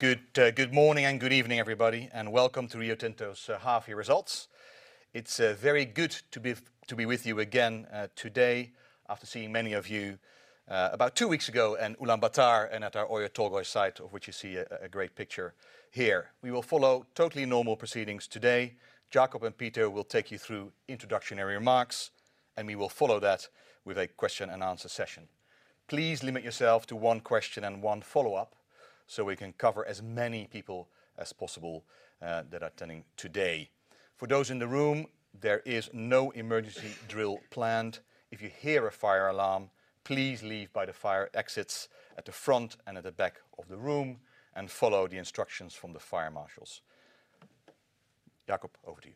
Good morning and good evening, everybody, welcome to Rio Tinto's half-year results. It's very good to be with you again today, after seeing many of you about two weeks ago in Ulaanbaatar and at our Oyu Tolgoi site, of which you see a great picture here. We will follow totally normal proceedings today. Jakob and Peter will take you through introductory remarks, and we will follow that with a question-and-answer session. Please limit yourself to one question and one follow-up, so we can cover as many people as possible that are attending today. For those in the room, there is no emergency drill planned. If you hear a fire alarm, please leave by the fire exits at the front and at the back of the room and follow the instructions from the fire marshals. Jakob, over to you.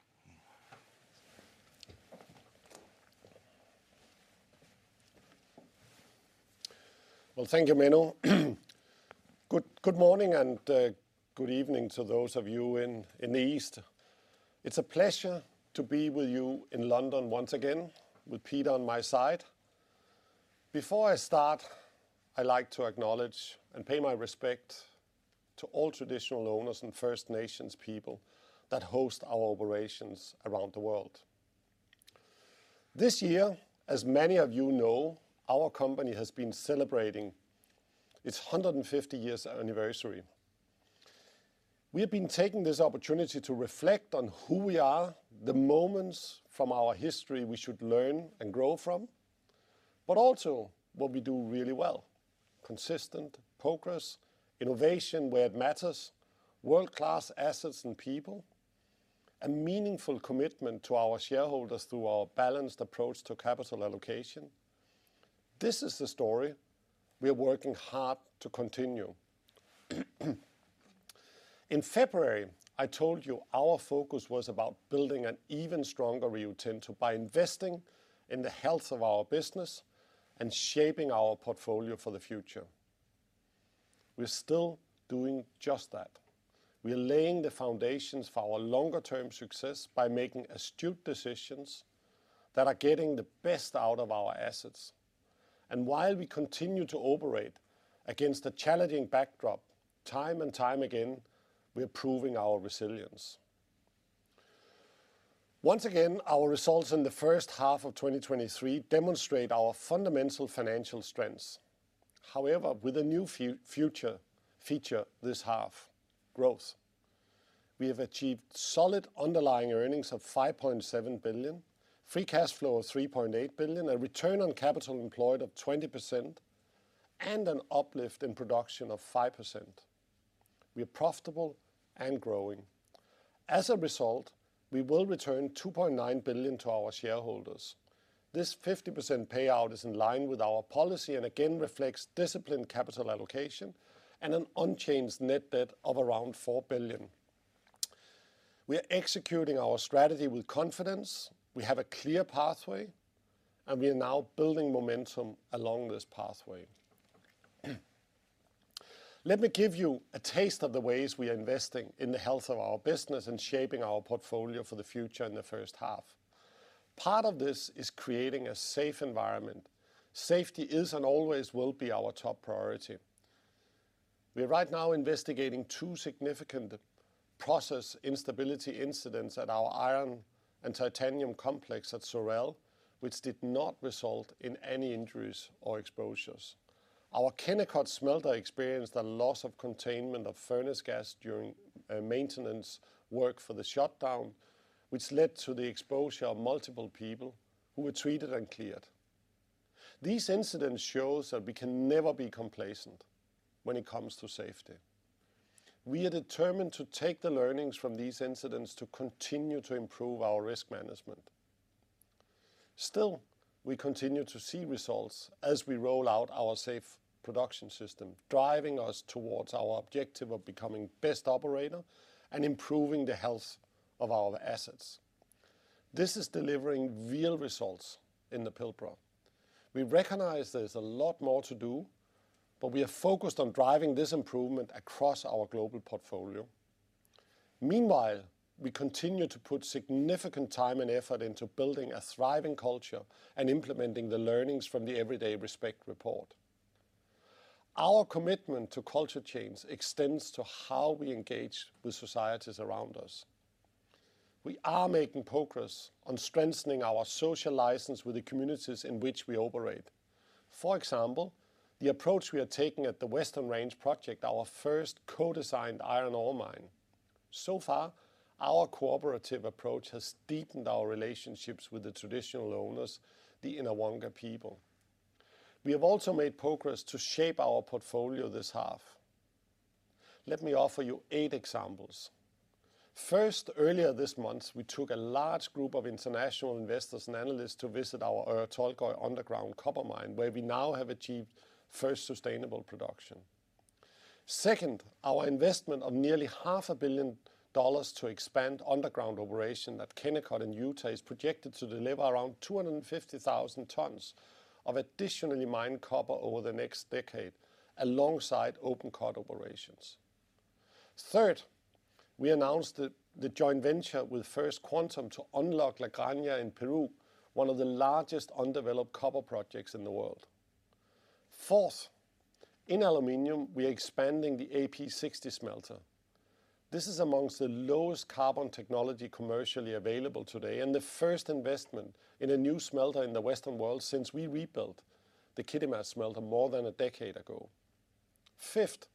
Well, thank you, Menno. Good morning and good evening to those of you in the East. It's a pleasure to be with you in London once again, with Peter on my side. Before I start, I'd like to acknowledge and pay my respect to all traditional owners and First Nations people that host our operations around the world. This year, as many of you know, our company has been celebrating its 150 years anniversary. We have been taking this opportunity to reflect on who we are, the moments from our history we should learn and grow from, but also what we do really well: consistent progress, innovation where it matters, world-class assets and people, a meaningful commitment to our shareholders through our balanced approach to capital allocation. This is the story we are working hard to continue. In February, I told you our focus was about building an even stronger Rio Tinto by investing in the health of our business and shaping our portfolio for the future. We're still doing just that. We are laying the foundations for our longer-term success by making astute decisions that are getting the best out of our assets. While we continue to operate against a challenging backdrop, time and time again, we are proving our resilience. Once again, our results in the first half of 2023 demonstrate our fundamental financial strengths. However, with a new feature this half, growth. We have achieved solid underlying earnings of $5.7 billion, free cash flow of $3.8 billion, a return on capital employed of 20%, and an uplift in production of 5%. We are profitable and growing. We will return $2.9 billion to our shareholders. This 50% payout is in line with our policy, and again, reflects disciplined capital allocation and an unchanged net debt of around $4 billion. We are executing our strategy with confidence. We have a clear pathway, we are now building momentum along this pathway. Let me give you a taste of the ways we are investing in the health of our business and shaping our portfolio for the future in the first half. Part of this is creating a safe environment. Safety is, and always will be, our top priority. We are right now investigating two significant process instability incidents at our iron and titanium complex at Sorel-Tracy, which did not result in any injuries or exposures. Our Kennecott smelter experienced a loss of containment of furnace gas during maintenance work for the shutdown, which led to the exposure of multiple people, who were treated and cleared. These incidents shows that we can never be complacent when it comes to safety. We are determined to take the learnings from these incidents to continue to improve our risk management. We continue to see results as we roll out our Safe Production System, driving us towards our objective of becoming best operator and improving the health of our assets. This is delivering real results in the Pilbara. We recognize there's a lot more to do, but we are focused on driving this improvement across our global portfolio. Meanwhile, we continue to put significant time and effort into building a thriving culture and implementing the learnings from the Everyday Respect Report. Our commitment to culture change extends to how we engage with societies around us. We are making progress on strengthening our social license with the communities in which we operate. For example, the approach we are taking at the Western Range project, our first co-designed iron ore mine. Our cooperative approach has deepened our relationships with the traditional owners, the Yinhawangka people. We have also made progress to shape our portfolio this half. Let me offer you eight examples. First, earlier this month, we took a large group of international investors and analysts to visit our Oyu Tolgoi underground copper mine, where we now have achieved first sustainable production. Second, our investment of nearly half a billion dollars to expand underground operation at Kennecott in Utah is projected to deliver around 250,000 tons of additionally mined copper over the next decade, alongside open pit operations. Third, we announced that the joint venture with First Quantum to unlock La Granja in Peru, one of the largest undeveloped copper projects in the world. Fourth, in aluminium, we are expanding the AP60 smelter. This is amongst the lowest carbon technology commercially available today, and the first investment in a new smelter in the Western world since we rebuilt the Kitimat smelter more than a decade ago. Fifth,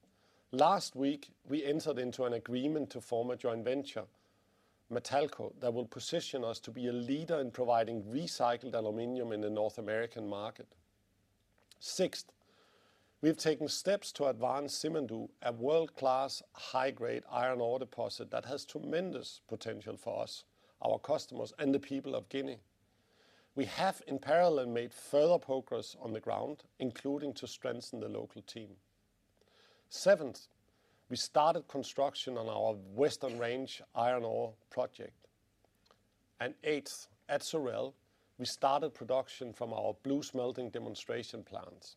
last week, we entered into an agreement to form a joint venture, Matalco, that will position us to be a leader in providing recycled aluminium in the North American market. Sixth, we've taken steps to advance Simandou, a world-class, high-grade iron ore deposit that has tremendous potential for us, our customers, and the people of Guinea. We have, in parallel, made further progress on the ground, including to strengthen the local team. Seventh, we started construction on our Western Range iron ore project. Eighth, at Sorel, we started production from our BlueSmelting demonstration plants.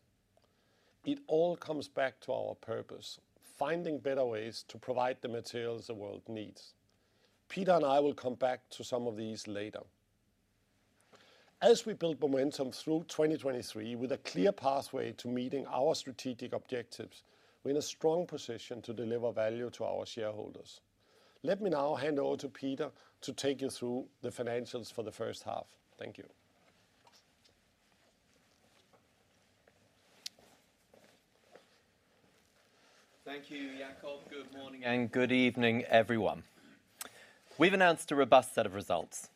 It all comes back to our purpose: finding better ways to provide the materials the world needs. Peter and I will come back to some of these later. As we build momentum through 2023 with a clear pathway to meeting our strategic objectives, we're in a strong position to deliver value to our shareholders. Let me now hand over to Peter to take you through the financials for the first half. Thank you. Thank you, Jakob. Good morning and good evening, everyone. We've announced a robust set of results.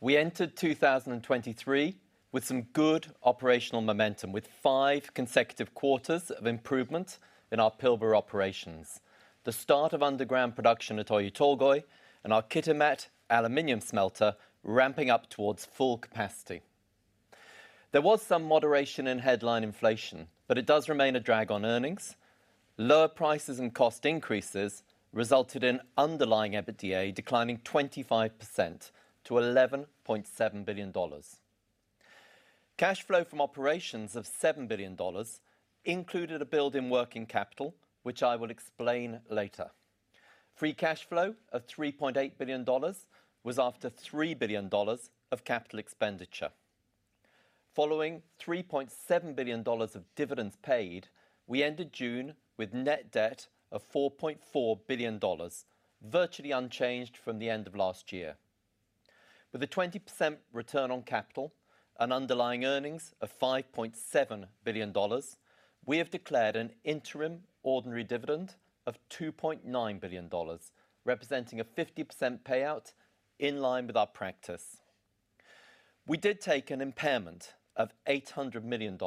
We entered 2023 with some good operational momentum, with five consecutive quarters of improvement in our Pilbara operations, the start of underground production at Oyu Tolgoi, and our Kitimat aluminium smelter ramping up towards full capacity. There was some moderation in headline inflation. It does remain a drag on earnings. Lower prices and cost increases resulted in underlying EBITDA declining 25% to $11.7 billion. Cash flow from operations of $7 billion included a build in working capital, which I will explain later. Free cash flow of $3.8 billion was after $3 billion of capital expenditure. Following $3.7 billion of dividends paid, we ended June with net debt of $4.4 billion, virtually unchanged from the end of last year. With a 20% return on capital and underlying earnings of $5.7 billion, we have declared an interim ordinary dividend of $2.9 billion, representing a 50% payout in line with our practice. We did take an impairment of $800 million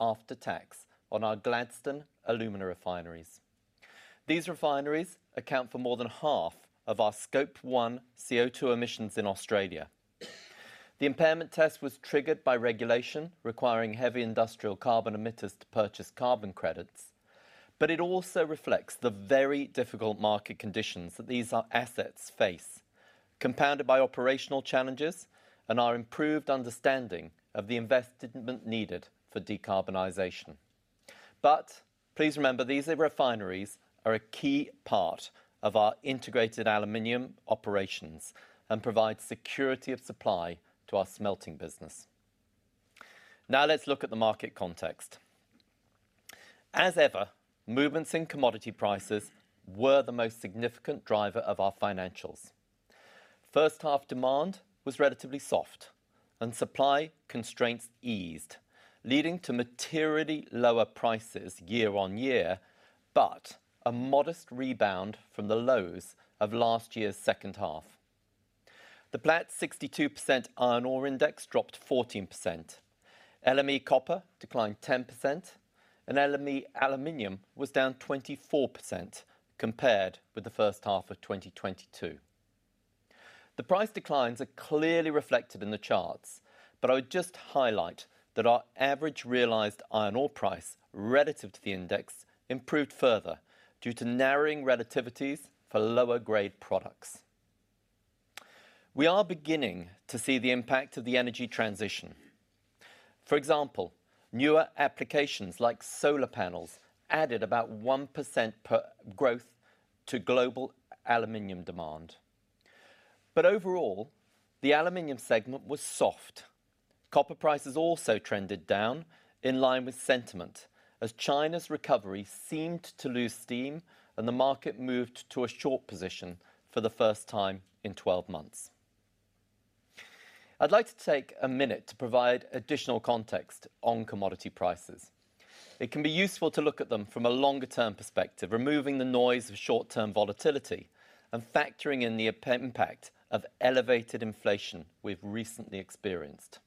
after tax on our Gladstone alumina refineries. These refineries account for more than half of our Scope 1 CO2 emissions in Australia. The impairment test was triggered by regulation, requiring heavy industrial carbon emitters to purchase carbon credits, but it also reflects the very difficult market conditions that these assets face, compounded by operational challenges and our improved understanding of the investment needed for decarbonization. Please remember, these refineries are a key part of our integrated aluminium operations and provide security of supply to our smelting business. Now let's look at the market context. As ever, movements in commodity prices were the most significant driver of our financials. First half demand was relatively soft and supply constraints eased, leading to materially lower prices year-on-year, but a modest rebound from the lows of last year's second half. The Platts 62% iron ore index dropped 14%. LME copper declined 10%, and LME aluminium was down 24% compared with the first half of 2022. The price declines are clearly reflected in the charts, but I would just highlight that our average realized iron ore price relative to the index improved further due to narrowing relativities for lower grade products. We are beginning to see the impact of the energy transition. For example, newer applications like solar panels added about 1% per growth to global aluminium demand. Overall, the aluminium segment was soft. Copper prices also trended down in line with sentiment as China's recovery seemed to lose steam and the market moved to a short position for the first time in 12 months. I'd like to take a minute to provide additional context on commodity prices. It can be useful to look at them from a longer term perspective, removing the noise of short-term volatility and factoring in the impact of elevated inflation we've recently experienced.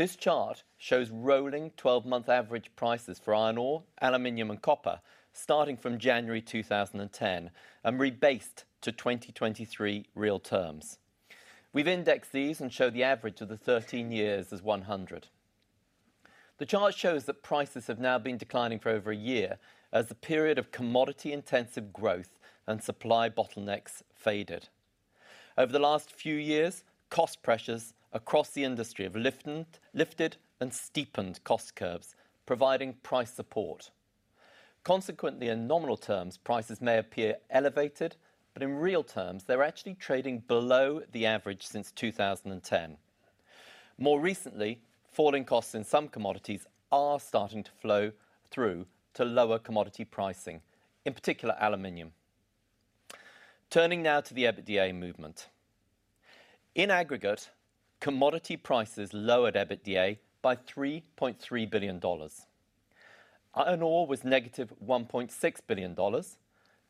This chart shows rolling 12-month average prices for iron ore, aluminium, and copper starting from January 2010 and rebased to 2023 real terms. We've indexed these and show the average of the 13 years as 100. The chart shows that prices have now been declining for over a year as the period of commodity-intensive growth and supply bottlenecks faded. Over the last few years, cost pressures across the industry have lifted and steepened cost curves, providing price support. Consequently, in nominal terms, prices may appear elevated, but in real terms, they're actually trading below the average since 2010. More recently, falling costs in some commodities are starting to flow through to lower commodity pricing, in particular, aluminium. Turning now to the EBITDA movement. In aggregate, commodity prices lowered EBITDA by $3.3 billion. Iron ore was -$1.6 billion,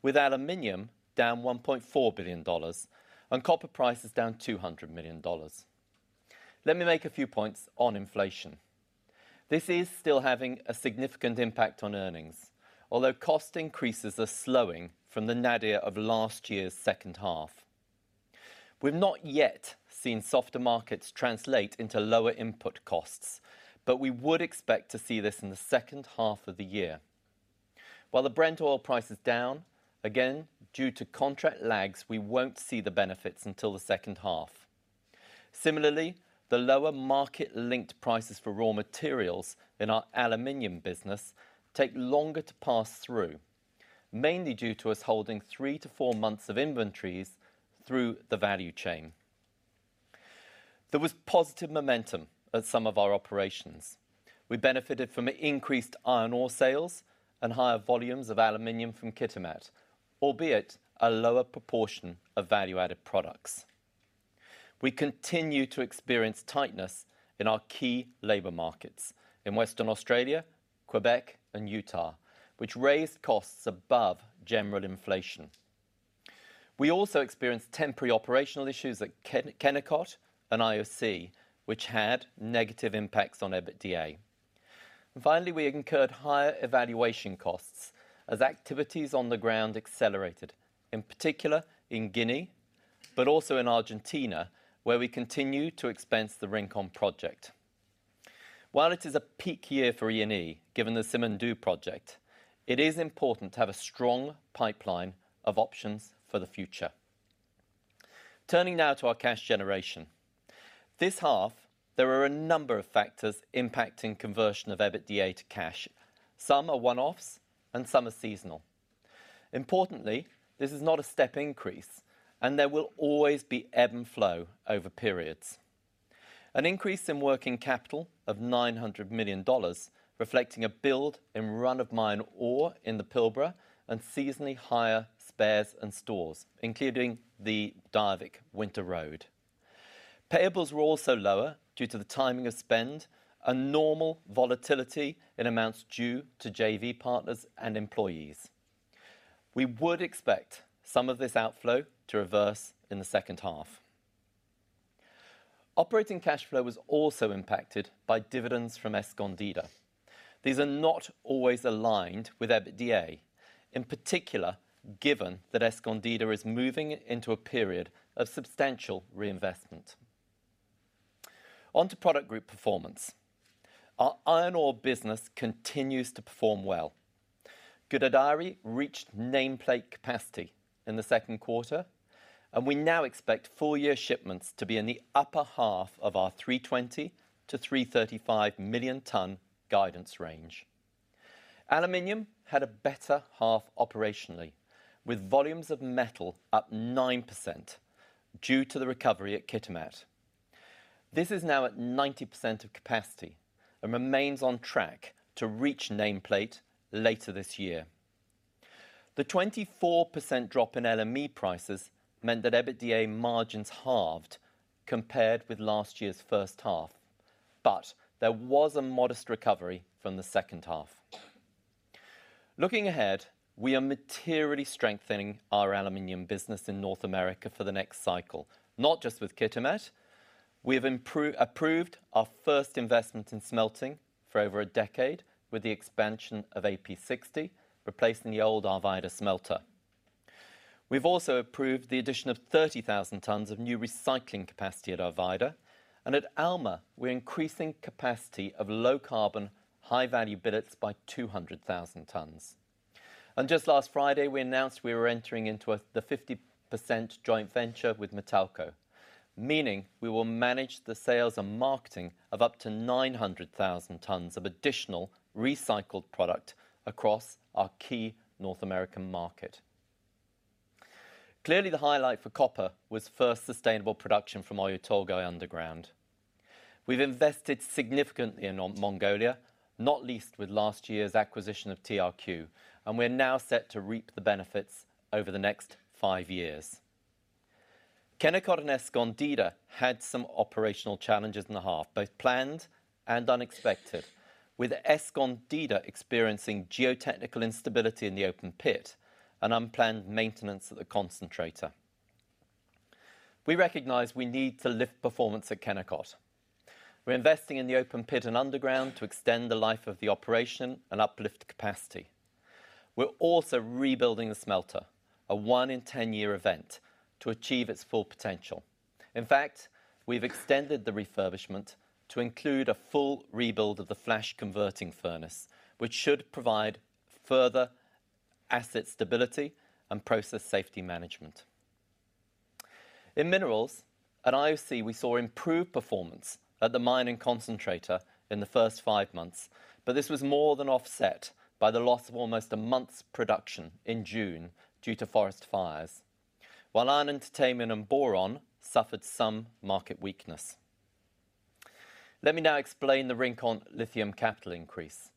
with aluminium down $1.4 billion, and copper prices down $200 million. Let me make a few points on inflation. This is still having a significant impact on earnings, although cost increases are slowing from the nadir of last year's second half. We've not yet seen softer markets translate into lower input costs. We would expect to see this in the second half of the year. While the Brent oil price is down, again, due to contract lags, we won't see the benefits until the second half. Similarly, the lower market-linked prices for raw materials in our aluminium business take longer to pass through, mainly due to us holding three to four months of inventories through the value chain. There was positive momentum at some of our operations. We benefited from increased iron ore sales and higher volumes of aluminium from Kitimat, albeit a lower proportion of value-added products. We continue to experience tightness in our key labor markets in Western Australia, Quebec, and Utah, which raised costs above general inflation. We also experienced temporary operational issues at Kennecott and IOC, which had negative impacts on EBITDA. We incurred higher evaluation costs as activities on the ground accelerated, in particular in Guinea, but also in Argentina, where we continue to expense the Rincon project. While it is a peak year for E&E, given the Simandou project, it is important to have a strong pipeline of options for the future. Turning now to our cash generation. This half, there are a number of factors impacting conversion of EBITDA to cash. Some are one-offs and some are seasonal. This is not a step increase, and there will always be ebb and flow over periods. An increase in working capital of $900 million, reflecting a build in run-of-mine ore in the Pilbara and seasonally higher spares and stores, including the Diavik winter road. Payables were also lower due to the timing of spend and normal volatility in amounts due to JV partners and employees. We would expect some of this outflow to reverse in the second half. Operating cash flow was also impacted by dividends from Escondida. These are not always aligned with EBITDA, in particular, given that Escondida is moving into a period of substantial reinvestment. On to product group performance. Our iron ore business continues to perform well. Gudai-Darri reached nameplate capacity in the second quarter, and we now expect full year shipments to be in the upper half of our 320-335 million ton guidance range. Aluminium had a better half operationally, with volumes of metal up 9% due to the recovery at Kitimat. This is now at 90% of capacity and remains on track to reach nameplate later this year. The 24% drop in LME prices meant that EBITDA margins halved compared with last year's first half, but there was a modest recovery from the second half. Looking ahead, we are materially strengthening our aluminium business in North America for the next cycle, not just with Kitimat. We have approved our first investment in smelting for over a decade with the expansion of AP60, replacing the old Arvida smelter. We've also approved the addition of 30,000 tons of new recycling capacity at Arvida, and at Alma, we're increasing capacity of low-carbon, high-value billets by 200,000 tons. Just last Friday, we announced we were entering into a 50% joint venture with Matalco, meaning we will manage the sales and marketing of up to 900,000 tons of additional recycled product across our key North American market. Clearly, the highlight for copper was first sustainable production from Oyu Tolgoi underground. We've invested significantly in Mongolia, not least with last year's acquisition of TRQ, and we're now set to reap the benefits over the next five years. Kennecott and Escondida had some operational challenges in the half, both planned and unexpected, with Escondida experiencing geotechnical instability in the open pit and unplanned maintenance at the concentrator. We recognize we need to lift performance at Kennecott. We're investing in the open pit and underground to extend the life of the operation and uplift capacity. We're also rebuilding the smelter, a one in 10-year event, to achieve its full potential. In fact, we've extended the refurbishment to include a full rebuild of the flash converting furnace, which should provide asset stability, and process safety management. In minerals, at IOC, we saw improved performance at the mine and concentrator in the first five months, but this was more than offset by the loss of almost a month's production in June due to forest fires. While iron, titanium, and boron suffered some market weakness. Let me now explain the Rincon lithium capital increase.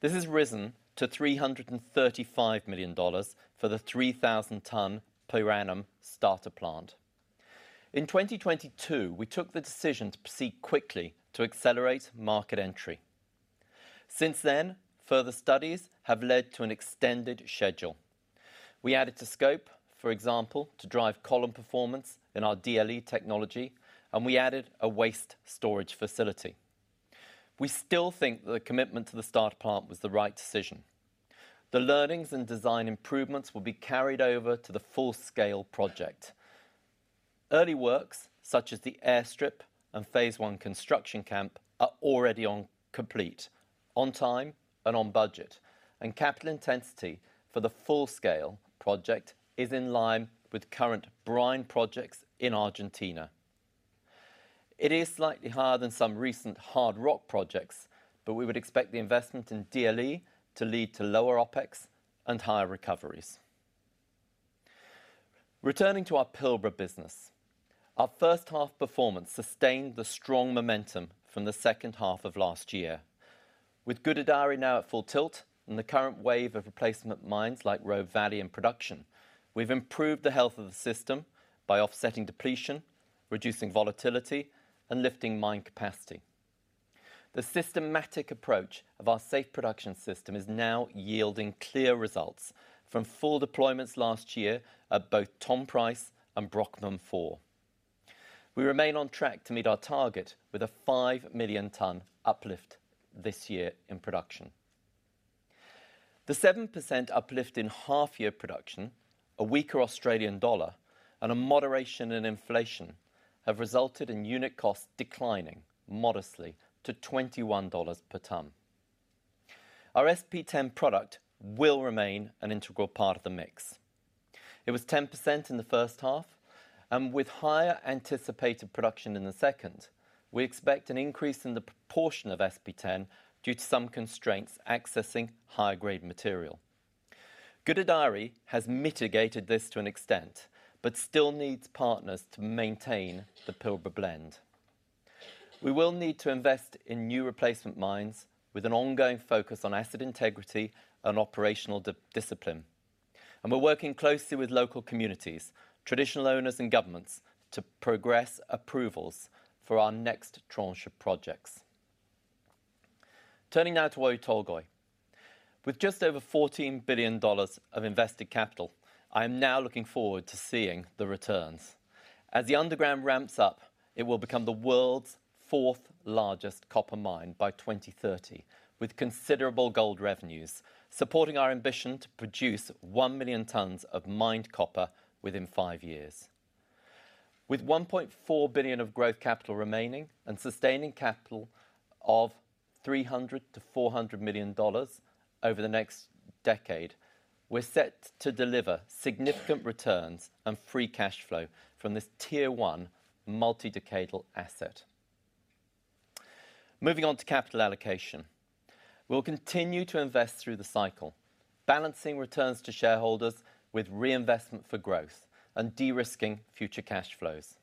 This has risen to $335 million for the 3,000 ton per annum starter plant. In 2022, we took the decision to proceed quickly to accelerate market entry. Since then, further studies have led to an extended schedule. We added to scope, for example, to drive column performance in our DLE technology, and we added a waste storage facility. We still think that the commitment to the starter plant was the right decision. The learnings and design improvements will be carried over to the full-scale project. Early works, such as the airstrip and phase one construction camp, are already on complete, on time and on budget, and capital intensity for the full-scale project is in line with current brine projects in Argentina. It is slightly higher than some recent hard rock projects, but we would expect the investment in DLE to lead to lower OpEx and higher recoveries. Returning to our Pilbara business, our first half performance sustained the strong momentum from the second half of last year. With Gudai-Darri now at full tilt and the current wave of replacement mines like Robe Valley in production, we've improved the health of the system by offsetting depletion, reducing volatility, and lifting mine capacity. The systematic approach of our Safe Production System is now yielding clear results from full deployments last year at both Tom Price and Brockman 4. We remain on track to meet our target with a 5 million ton uplift this year in production. The 7% uplift in half-year production, a weaker Australian dollar, and a moderation in inflation have resulted in unit costs declining modestly to $21 per ton. Our SP10 product will remain an integral part of the mix. It was 10% in the first half, and with higher anticipated production in the second, we expect an increase in the proportion of SP10 due to some constraints accessing higher grade material. Gudai-Darri has mitigated this to an extent, still needs partners to maintain the Pilbara Blend. We will need to invest in new replacement mines with an ongoing focus on asset integrity and operational discipline, we're working closely with local communities, traditional owners and governments, to progress approvals for our next tranche of projects. Turning now to Oyu Tolgoi. With just over $14 billion of invested capital, I am now looking forward to seeing the returns. As the underground ramps up, it will become the world's fourth largest copper mine by 2030, with considerable gold revenues, supporting our ambition to produce 1 million tons of mined copper within five years. With $1.4 billion of growth capital remaining and sustaining capital of $300 million-$400 million over the next decade, we're set to deliver significant returns and free cash flow from this tier one multi-decadal asset. Moving on to capital allocation. We'll continue to invest through the cycle, balancing returns to shareholders with reinvestment for growth and de-risking future cash flows.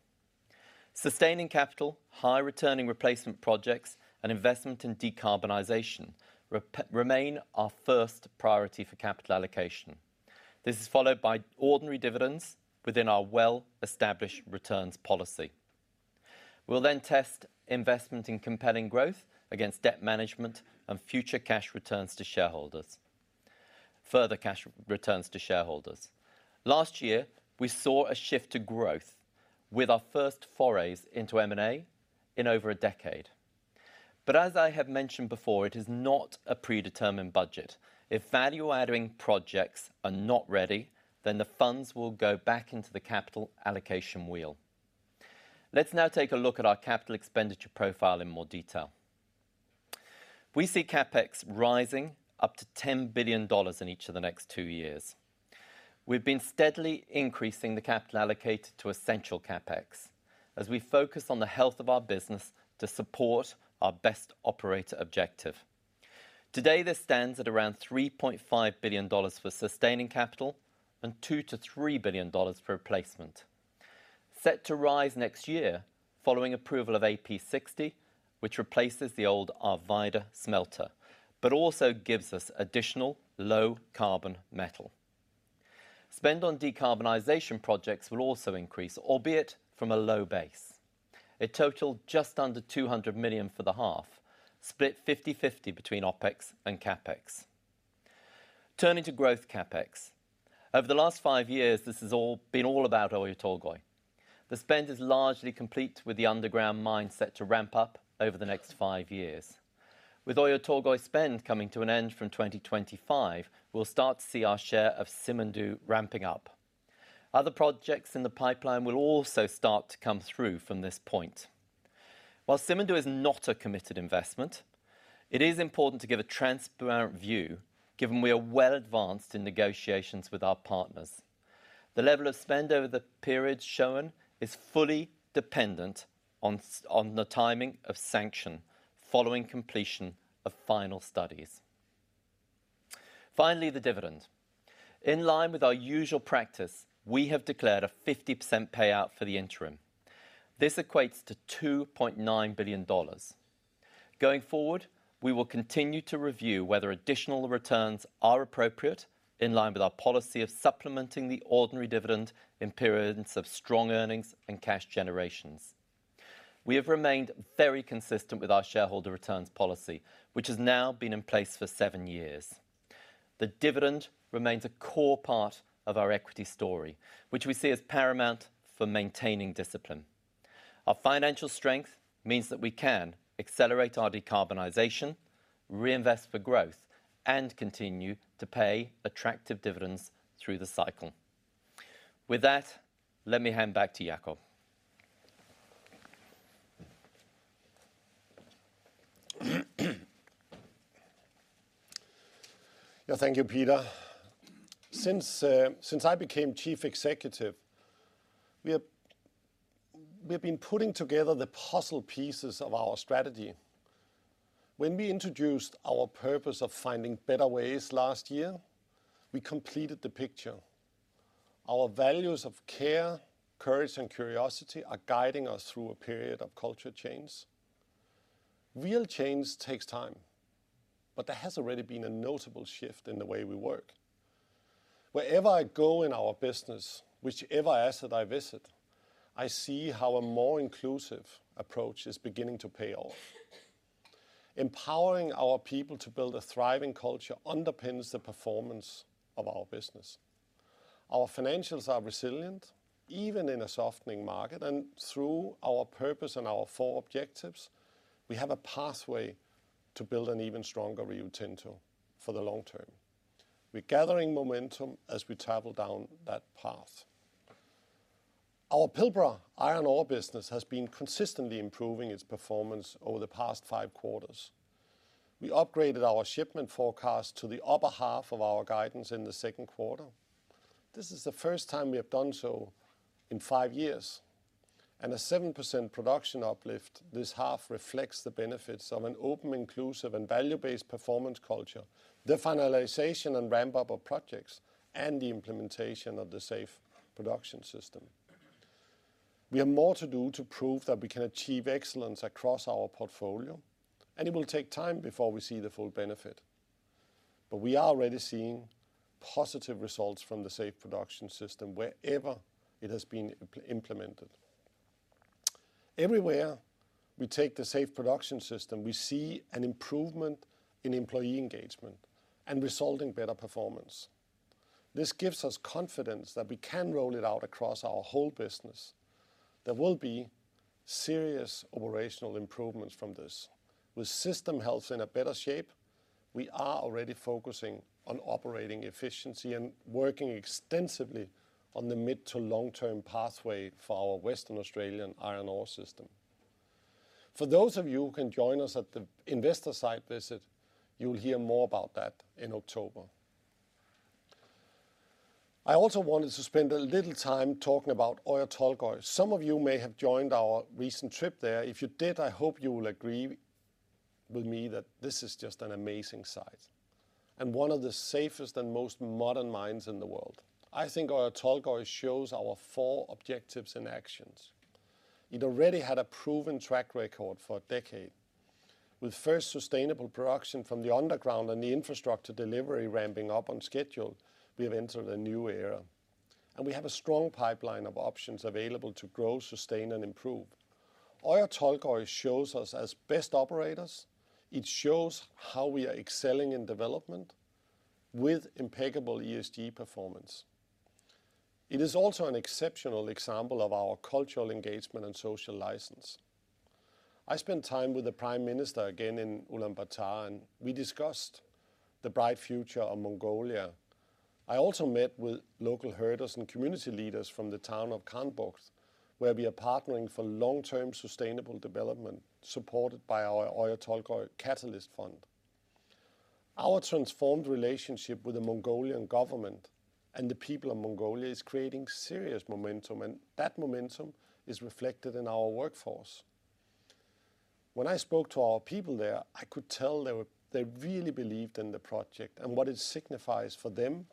Sustaining capital, high returning replacement projects and investment in decarbonization remain our first priority for capital allocation. This is followed by ordinary dividends within our well-established returns policy. We'll then test investment in compelling growth against debt management and further cash returns to shareholders. Last year, we saw a shift to growth with our first forays into M&A in over a decade. As I have mentioned before, it is not a predetermined budget. If value-adding projects are not ready, the funds will go back into the capital allocation wheel. Let's now take a look at our capital expenditure profile in more detail. We see CapEx rising up to $10 billion in each of the next two years. We've been steadily increasing the capital allocated to essential CapEx as we focus on the health of our business to support our best operator objective. Today, this stands at around $3.5 billion for sustaining capital and $2 billion-$3 billion for replacement. Set to rise next year following approval of AP60, which replaces the old Arvida smelter, also gives us additional low carbon metal. Spend on decarbonization projects will also increase, albeit from a low base. It totaled just under $200 million for the half, split 50/50 between OpEx and CapEx. Turning to growth CapEx. Over the last five years, this has all been all about Oyu Tolgoi. The spend is largely complete, with the underground mine set to ramp up over the next five years. With Oyu Tolgoi spend coming to an end from 2025, we'll start to see our share of Simandou ramping up. Other projects in the pipeline will also start to come through from this point. While Simandou is not a committed investment, it is important to give a transparent view, given we are well advanced in negotiations with our partners. The level of spend over the period shown is fully dependent on the timing of sanction following completion of final studies. Finally, the dividend. In line with our usual practice, we have declared a 50% payout for the interim. This equates to $2.9 billion. Going forward, we will continue to review whether additional returns are appropriate, in line with our policy of supplementing the ordinary dividend in periods of strong earnings and cash generations. We have remained very consistent with our shareholder returns policy, which has now been in place for seven years. The dividend remains a core part of our equity story, which we see as paramount for maintaining discipline. Our financial strength means that we can accelerate our decarbonization, reinvest for growth, and continue to pay attractive dividends through the cycle. With that, let me hand back to Jakob. Yeah, thank you, Peter. Since since I became chief executive, we have been putting together the puzzle pieces of our strategy. When we introduced our purpose of finding better ways last year, we completed the picture. Our values of care, courage, and curiosity are guiding us through a period of culture change. Real change takes time, but there has already been a notable shift in the way we work. Wherever I go in our business, whichever asset I visit, I see how a more inclusive approach is beginning to pay off. Empowering our people to build a thriving culture underpins the performance of our business. Our financials are resilient, even in a softening market, through our purpose and our four objectives, we have a pathway to build an even stronger Rio Tinto for the long term. We're gathering momentum as we travel down that path. Our Pilbara iron ore business has been consistently improving its performance over the past five quarters. We upgraded our shipment forecast to the upper half of our guidance in the second quarter. This is the first time we have done so in five years, a 7% production uplift this half reflects the benefits of an open, inclusive, and value-based performance culture, the finalization and ramp-up of projects, and the implementation of the Safe Production System. We have more to do to prove that we can achieve excellence across our portfolio, it will take time before we see the full benefit. We are already seeing positive results from the Safe Production System wherever it has been implemented. Everywhere we take the Safe Production System, we see an improvement in employee engagement and resulting better performance. This gives us confidence that we can roll it out across our whole business. There will be serious operational improvements from this. With system health in a better shape, we are already focusing on operating efficiency and working extensively on the mid to long-term pathway for our Western Australian iron ore system. For those of you who can join us at the investor site visit, you'll hear more about that in October. I also wanted to spend a little time talking about Oyu Tolgoi. Some of you may have joined our recent trip there. If you did, I hope you will agree with me that this is just an amazing site, and one of the safest and most modern mines in the world. I think Oyu Tolgoi shows our four objectives in actions. It already had a proven track record for a decade. With first sustainable production from the underground and the infrastructure delivery ramping up on schedule, we have entered a new era. We have a strong pipeline of options available to grow, sustain, and improve. Oyu Tolgoi shows us as best operators. It shows how we are excelling in development with impeccable ESG performance. It is also an exceptional example of our cultural engagement and social license. I spent time with the Prime Minister again in Ulaanbaatar, and we discussed the bright future of Mongolia. I also met with local herders and community leaders from the town of Khanbogd, where we are partnering for long-term sustainable development, supported by our Oyu Tolgoi Catalyst Fund. Our transformed relationship with the Mongolian government and the people of Mongolia is creating serious momentum. That momentum is reflected in our workforce. When I spoke to our people there, I could tell they really believed in the project and what it signifies for them,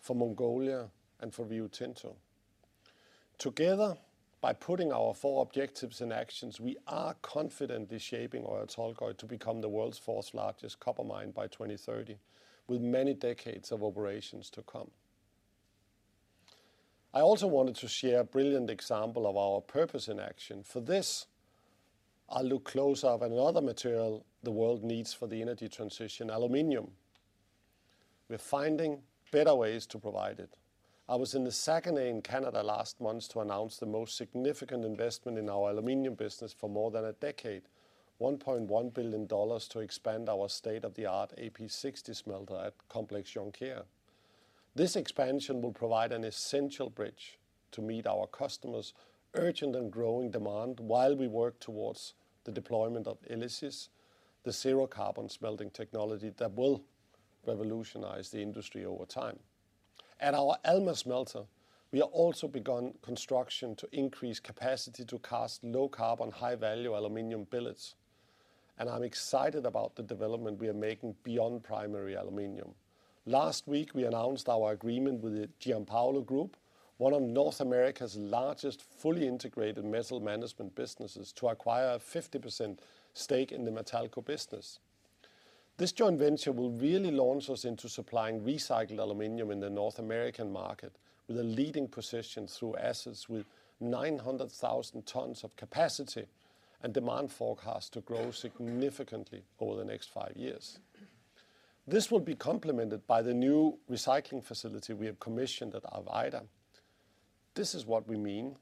for Mongolia, and for Rio Tinto. Together, by putting our four objectives in actions, we are confidently shaping Oyu Tolgoi to become the world's fourth largest copper mine by 2030, with many decades of operations to come. I also wanted to share a brilliant example of our purpose in action. For this, I'll look closer at another material the world needs for the energy transition: aluminium. We're finding better ways to provide it. I was in Saguenay in Canada last month to announce the most significant investment in our aluminium business for more than a decade, $1.1 billion to expand our state-of-the-art AP60 smelter at Complexe Jonquière. This expansion will provide an essential bridge to meet our customers' urgent and growing demand while we work towards the deployment of ELYSIS, the zero-carbon smelting technology that will revolutionize the industry over time. At our Alma smelter, we have also begun construction to increase capacity to cast low-carbon, high-value aluminium billets, and I'm excited about the development we are making beyond primary aluminium. Last week, we announced our agreement with the Giampaolo Group, one of North America's largest fully integrated metal management businesses, to acquire a 50% stake in the Matalco business. This joint venture will really launch us into supplying recycled aluminium in the North American market, with a leading position through assets with 900,000 tons of capacity and demand forecast to grow significantly over the next five years. This will be complemented by the new recycling facility we have commissioned at Arvida. This is what we mean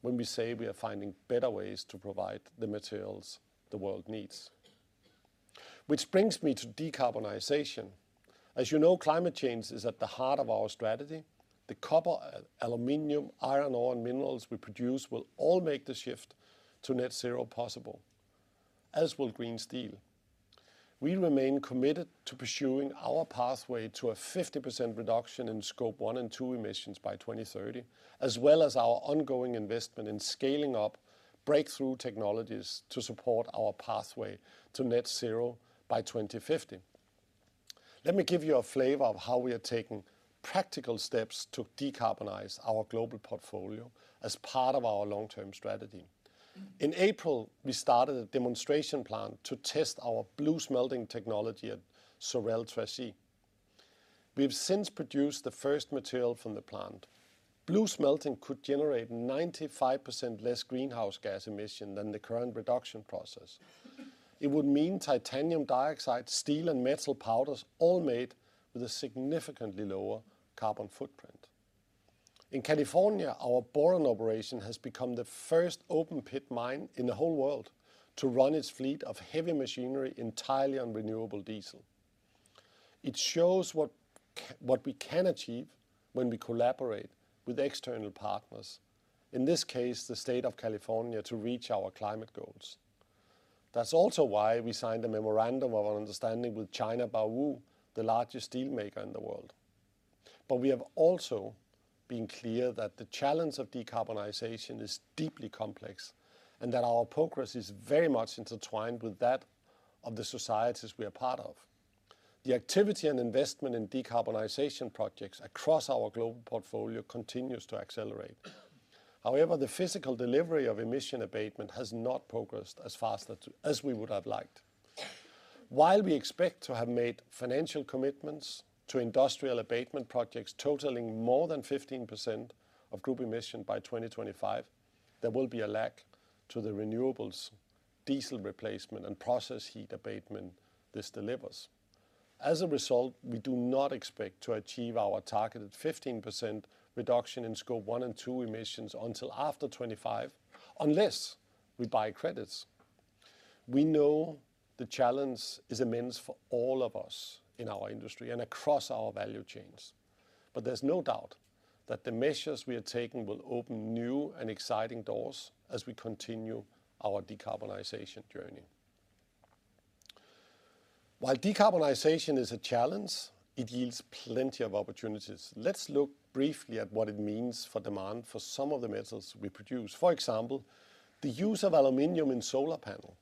when we say we are finding better ways to provide the materials the world needs. Brings me to decarbonization. As you know, climate change is at the heart of our strategy. The copper, aluminium, iron ore, and minerals we produce will all make the shift to net zero possible, as will green steel. We remain committed to pursuing our pathway to a 50% reduction in Scope 1 and 2 emissions by 2030, as well as our ongoing investment in scaling up breakthrough technologies to support our pathway to net zero by 2050. Let me give you a flavor of how we are taking practical steps to decarbonize our global portfolio as part of our long-term strategy. In April, we started a demonstration plant to test our BlueSmelting technology at Sorel-Tracy. We've since produced the first material from the plant. BlueSmelting could generate 95% less greenhouse gas emission than the current production process. It would mean titanium dioxide, steel, and metal powders all made with a significantly lower carbon footprint. In California, our Boron operation has become the first open-pit mine in the whole world to run its fleet of heavy machinery entirely on renewable diesel. It shows what we can achieve when we collaborate with external partners, in this case, the state of California, to reach our climate goals. That's also why we signed a memorandum of understanding with China Baowu, the largest steelmaker in the world. We have also been clear that the challenge of decarbonization is deeply complex, and that our progress is very much intertwined with that of the societies we are part of. The activity and investment in decarbonization projects across our global portfolio continues to accelerate. However, the physical delivery of emission abatement has not progressed as fast as we would have liked. While we expect to have made financial commitments to industrial abatement projects totaling more than 15% of group emission by 2025, there will be a lag to the renewables, diesel replacement, and process heat abatement this delivers. As a result, we do not expect to achieve our targeted 15% reduction in Scope 1 and 2 emissions until after 2025, unless we buy credits. There's no doubt that the measures we are taking will open new and exciting doors as we continue our decarbonization journey. While decarbonization is a challenge, it yields plenty of opportunities. Let's look briefly at what it means for demand for some of the metals we produce. For example, the use of aluminium in solar panel.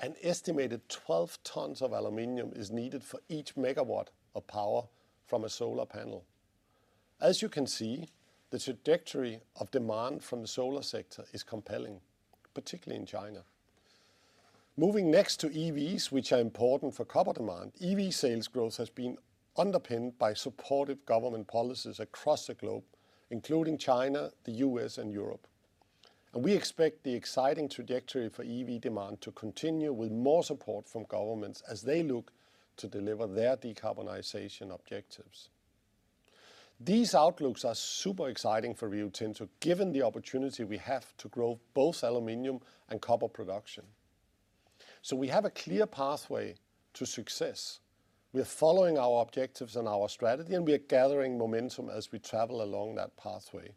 An estimated 12 tons of aluminium is needed for each megawatt of power from a solar panel. As you can see, the trajectory of demand from the solar sector is compelling, particularly in China. Moving next to EVs, which are important for copper demand, EV sales growth has been underpinned by supportive government policies across the globe, including China, the U.S., and Europe. We expect the exciting trajectory for EV demand to continue with more support from governments as they look to deliver their decarbonization objectives. These outlooks are super exciting for Rio Tinto, given the opportunity we have to grow both aluminium and copper production. We have a clear pathway to success. We're following our objectives and our strategy, and we are gathering momentum as we travel along that pathway.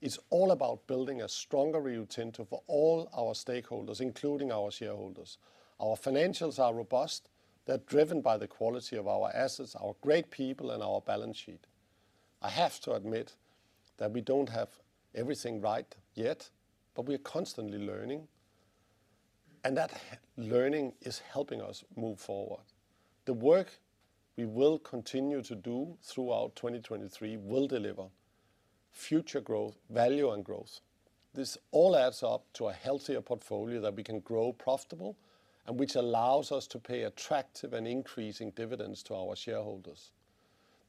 It's all about building a stronger Rio Tinto for all our stakeholders, including our shareholders. Our financials are robust. They're driven by the quality of our assets, our great people, and our balance sheet. I have to admit that we don't have everything right yet. We are constantly learning, and that learning is helping us move forward. The work we will continue to do throughout 2023 will deliver future growth, value, and growth. This all adds up to a healthier portfolio that we can grow profitable, and which allows us to pay attractive and increasing dividends to our shareholders.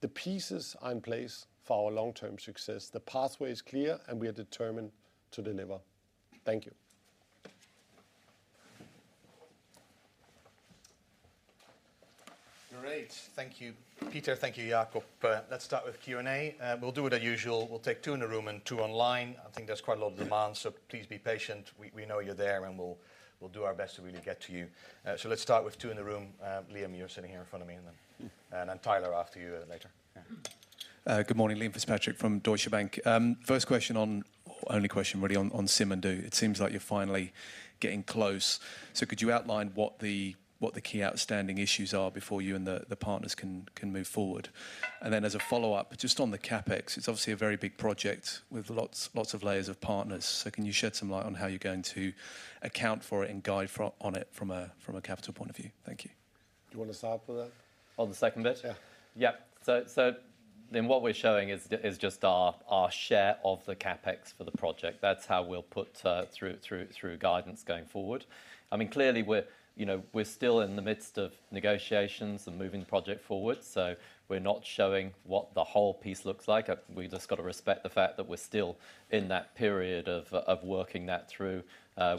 The pieces are in place for our long-term success. The pathway is clear. We are determined to deliver. Thank you. Great. Thank you, Peter. Thank you, Jakob. Let's start with Q&A. We'll do it our usual. We'll take two in the room and two online. I think there's quite a lot of demand, so please be patient. We know you're there, and we'll do our best to really get to you. Let's start with two in the room. Liam, you're sitting here in front of me, and then Tyler, after you, later. Yeah. Good morning. Liam Fitzpatrick from Deutsche Bank. First question on, only question, really, on Simandou. It seems like you're finally getting close. Could you outline what the key outstanding issues are before you and the partners can move forward? Then as a follow-up, just on the CapEx, it's obviously a very big project with lots of layers of partners. Can you shed some light on how you're going to account for it and guide for on it from a, from a capital point of view? Thank you. Do you wanna start with that? On the second bit? Yeah. What we're showing is just our share of the CapEx for the project. That's how we'll put through guidance going forward. I mean, clearly, we're, you know, we're still in the midst of negotiations and moving the project forward, so we're not showing what the whole piece looks like. We just got to respect the fact that we're still in that period of working that through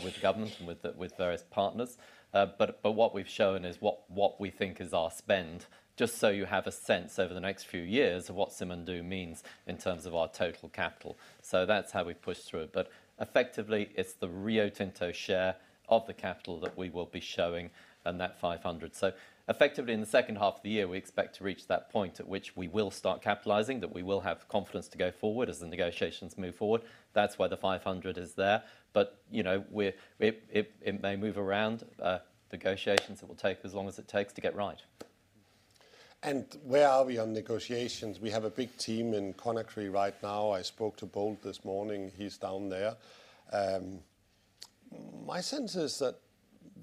with government and with various partners. But what we've shown is what we think is our spend, just so you have a sense over the next few years of what Simandou means in terms of our total capital. That's how we push through it. Effectively, it's the Rio Tinto share of the capital that we will be showing on that $500. Effectively, in the second half of the year, we expect to reach that point at which we will start capitalizing, that we will have confidence to go forward as the negotiations move forward. That's why the $500 is there. You know, it may move around, negotiations, it will take as long as it takes to get right. Where are we on negotiations? We have a big team in Conakry right now. I spoke to Bold this morning. He's down there. My sense is that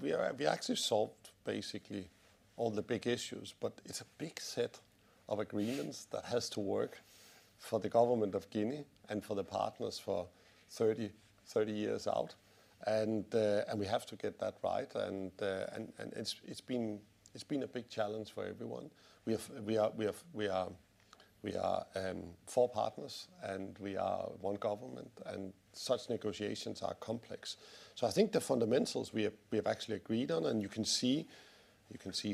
we actually solved basically all the big issues, but it's a big set of agreements that has to work for the government of Guinea and for the partners for 30 years out. We have to get that right, and it's been a big challenge for everyone. We have four partners and we are one government, and such negotiations are complex. I think the fundamentals we have actually agreed on, and you can see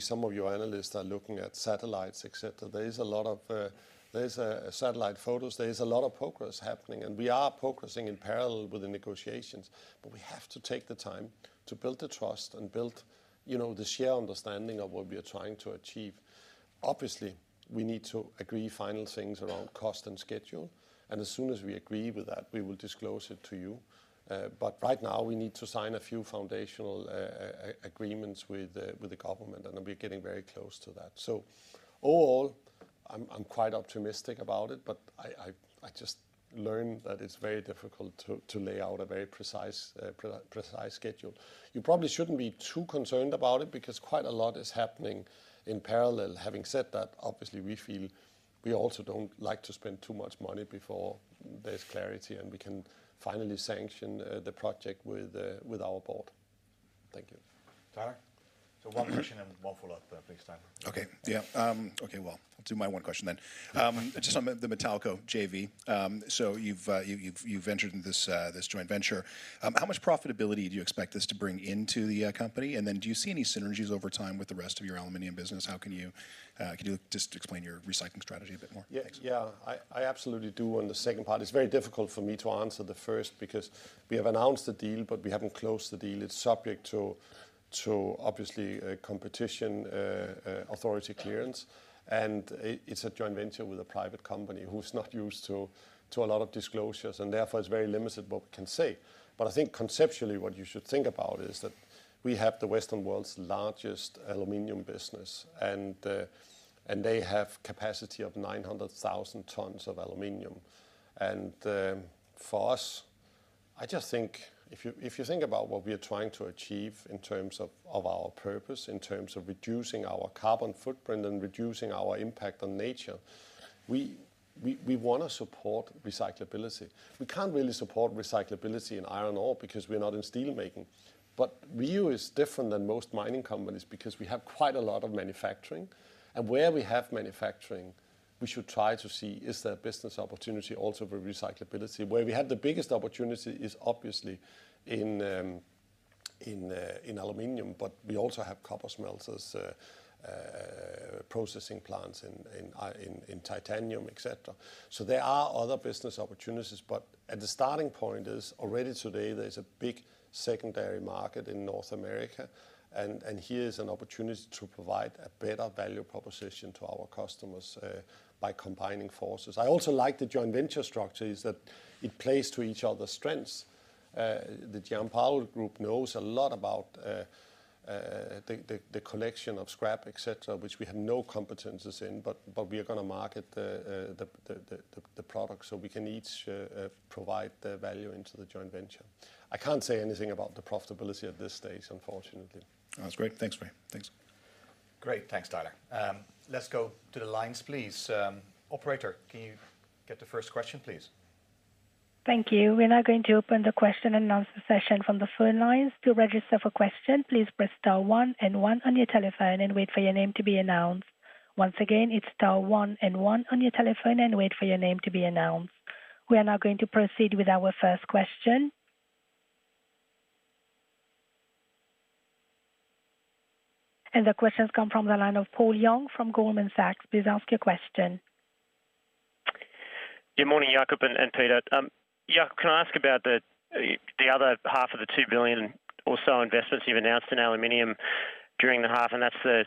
some of your analysts are looking at satellites, et cetera. There is a lot of satellite photos. There is a lot of progress happening. We are progressing in parallel with the negotiations, but we have to take the time to build the trust and build, you know, the shared understanding of what we are trying to achieve. Obviously, we need to agree final things around cost and schedule. As soon as we agree with that, we will disclose it to you. Right now, we need to sign a few foundational agreements with the government, and we're getting very close to that. I'm quite optimistic about it, but I just learned that it's very difficult to lay out a very precise schedule. You probably shouldn't be too concerned about it because quite a lot is happening in parallel. Having said that, obviously, we feel we also don't like to spend too much money before there's clarity, and we can finally sanction the project with our board. Thank you. Tyler. One question and one follow-up, please, Tyler. I'll do my one question. Just on the Matalco JV, you've entered into this joint venture. How much profitability do you expect this to bring into the company? Do you see any synergies over time with the rest of your aluminium business? How can you just explain your recycling strategy a bit more? Yeah. Yeah, I absolutely do on the second part. It's very difficult for me to answer the first because we have announced the deal, but we haven't closed the deal. It's subject to obviously, a competition authority clearance, and it's a joint venture with a private company who's not used to a lot of disclosures, and therefore, is very limited what we can say. I think conceptually, what you should think about is that we have the Western world's largest aluminium business, and they have capacity of 900,000 tons of aluminium. For us, I just think if you, if you think about what we are trying to achieve in terms of our purpose, in terms of reducing our carbon footprint and reducing our impact on nature, we wanna support recyclability. We can't really support recyclability in iron ore because we're not in steel making. Rio is different than most mining companies because we have quite a lot of manufacturing. Where we have manufacturing, we should try to see, is there a business opportunity also for recyclability? Where we have the biggest opportunity is obviously in aluminium, but we also have copper smelters, processing plants in titanium, et cetera. There are other business opportunities, but at the starting point is already today, there's a big secondary market in North America, and here's an opportunity to provide a better value proposition to our customers by combining forces. I also like the joint venture structure is that it plays to each other's strengths. The Giampaolo Group knows a lot about the collection of scrap, et cetera, which we have no competencies in, but we are gonna market the product, so we can each provide the value into the joint venture. I can't say anything about the profitability at this stage, unfortunately. That's great. Thanks, mate. Thanks. Great. Thanks, Tyler. Let's go to the lines, please. Operator, can you get the first question, please? Thank you. We're now going to open the question and answer session from the phone lines. To register for a question, please press star one and one on your telephone and wait for your name to be announced. Once again, it's star one and one on your telephone and wait for your name to be announced. We are now going to proceed with our first question. The question's come from the line of Paul Young from Goldman Sachs. Please ask your question. Good morning, Jakob and Peter. Jakob, can I ask about the other half of the $2 billion or so investments you've announced in aluminium during the half, and that's the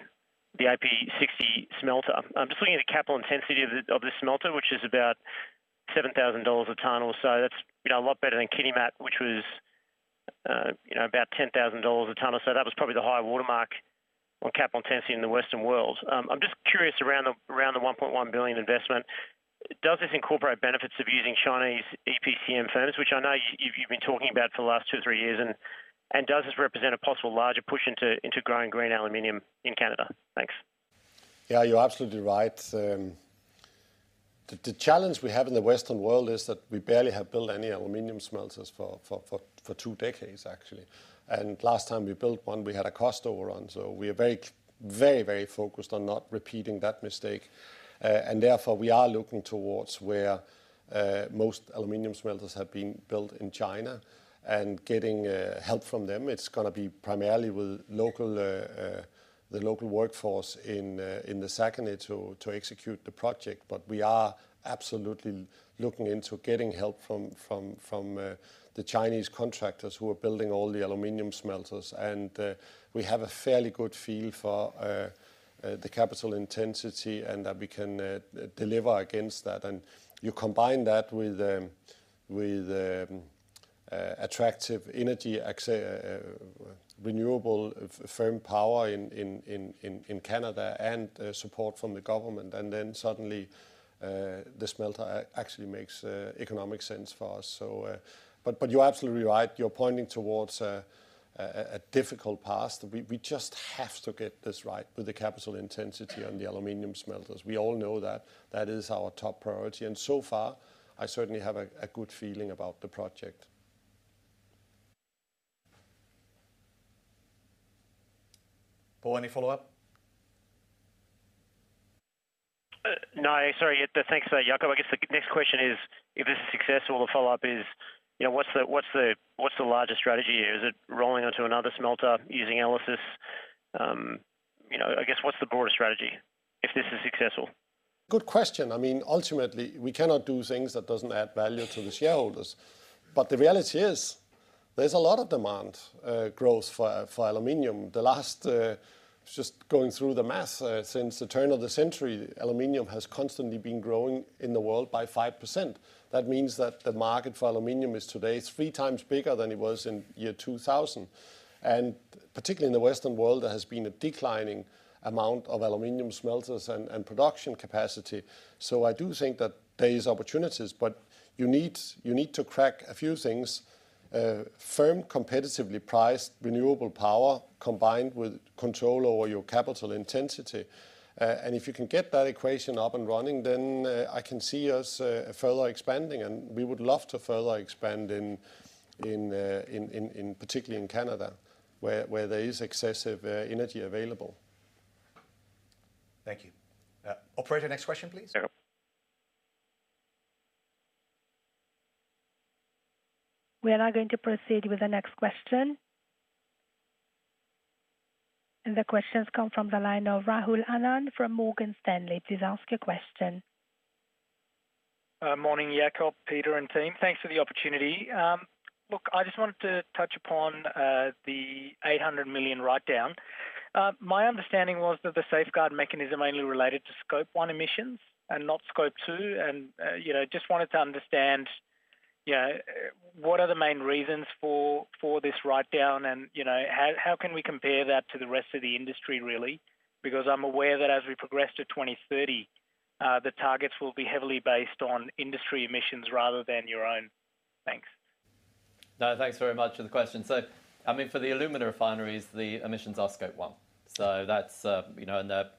AP60 smelter. I'm just looking at the capital intensity of the smelter, which is about $7,000 a ton or so. That's, you know, a lot better than Kitimat, which was, you know, about $10,000 a ton or so. That was probably the high watermark on capital intensity in the Western world. I'm just curious around the around the $1.1 billion investment. Does this incorporate benefits of using Chinese EPCM firms, which I know you've been talking about for the last two, three years? Does this represent a possible larger push into growing green aluminium in Canada? Thanks. Yeah, you're absolutely right. The challenge we have in the Western world is that we barely have built any aluminium smelters for two decades, actually. Last time we built one, we had a cost overrun, so we are very focused on not repeating that mistake. Therefore, we are looking towards where most aluminium smelters have been built in China and getting help from them. It's gonna be primarily with local the local workforce in the Saguenay to execute the project. We are absolutely looking into getting help from the Chinese contractors who are building all the aluminium smelters. We have a fairly good feel for the capital intensity and that we can deliver against that. You combine that with attractive energy renewable firm power in Canada and support from the government. Suddenly, the smelter actually makes economic sense for us. You're absolutely right. You're pointing towards a difficult past. We just have to get this right with the capital intensity and the aluminium smelters. We all know that that is our top priority. So far, I certainly have a good feeling about the project. Paul, any follow-up? No, sorry. Thanks, Jakob. I guess the next question is, if this is successful, the follow-up is, you know, what's the larger strategy here? Is it rolling onto another smelter using ELYSIS? You know, I guess, what's the broader strategy if this is successful? Good question. I mean, ultimately, we cannot do things that doesn't add value to the shareholders. The reality is, there's a lot of demand growth for aluminium. The last, just going through the math, since the turn of the century, aluminium has constantly been growing in the world by 5%. That means that the market for aluminium is today is three times bigger than it was in year 2000. Particularly in the Western world, there has been a declining amount of aluminium smelters and production capacity. I do think that there is opportunities, but you need to crack a few things, firm, competitively priced, renewable power, combined with control over your capital intensity. If you can get that equation up and running, then, I can see us, further expanding, and we would love to further expand in, particularly in Canada, where there is excessive energy available. Thank you. Operator, next question, please. We are now going to proceed with the next question. The question's come from the line of Rahul Anand from Morgan Stanley. Please ask your question. Morning, Jacob, Peter, and team. Thanks for the opportunity. Look, I just wanted to touch upon the $800 million write-down. My understanding was that the Safeguard Mechanism only related to Scope 1 emissions and not Scope 2, and, you know, just wanted to understand, you know, what are the main reasons for this write-down, and, you know, how can we compare that to the rest of the industry, really? I'm aware that as we progress to 2030, the targets will be heavily based on industry emissions rather than your own. Thanks. No, thanks very much for the question. I mean, for the alumina refineries, the emissions are Scope 1. That's, you know, they're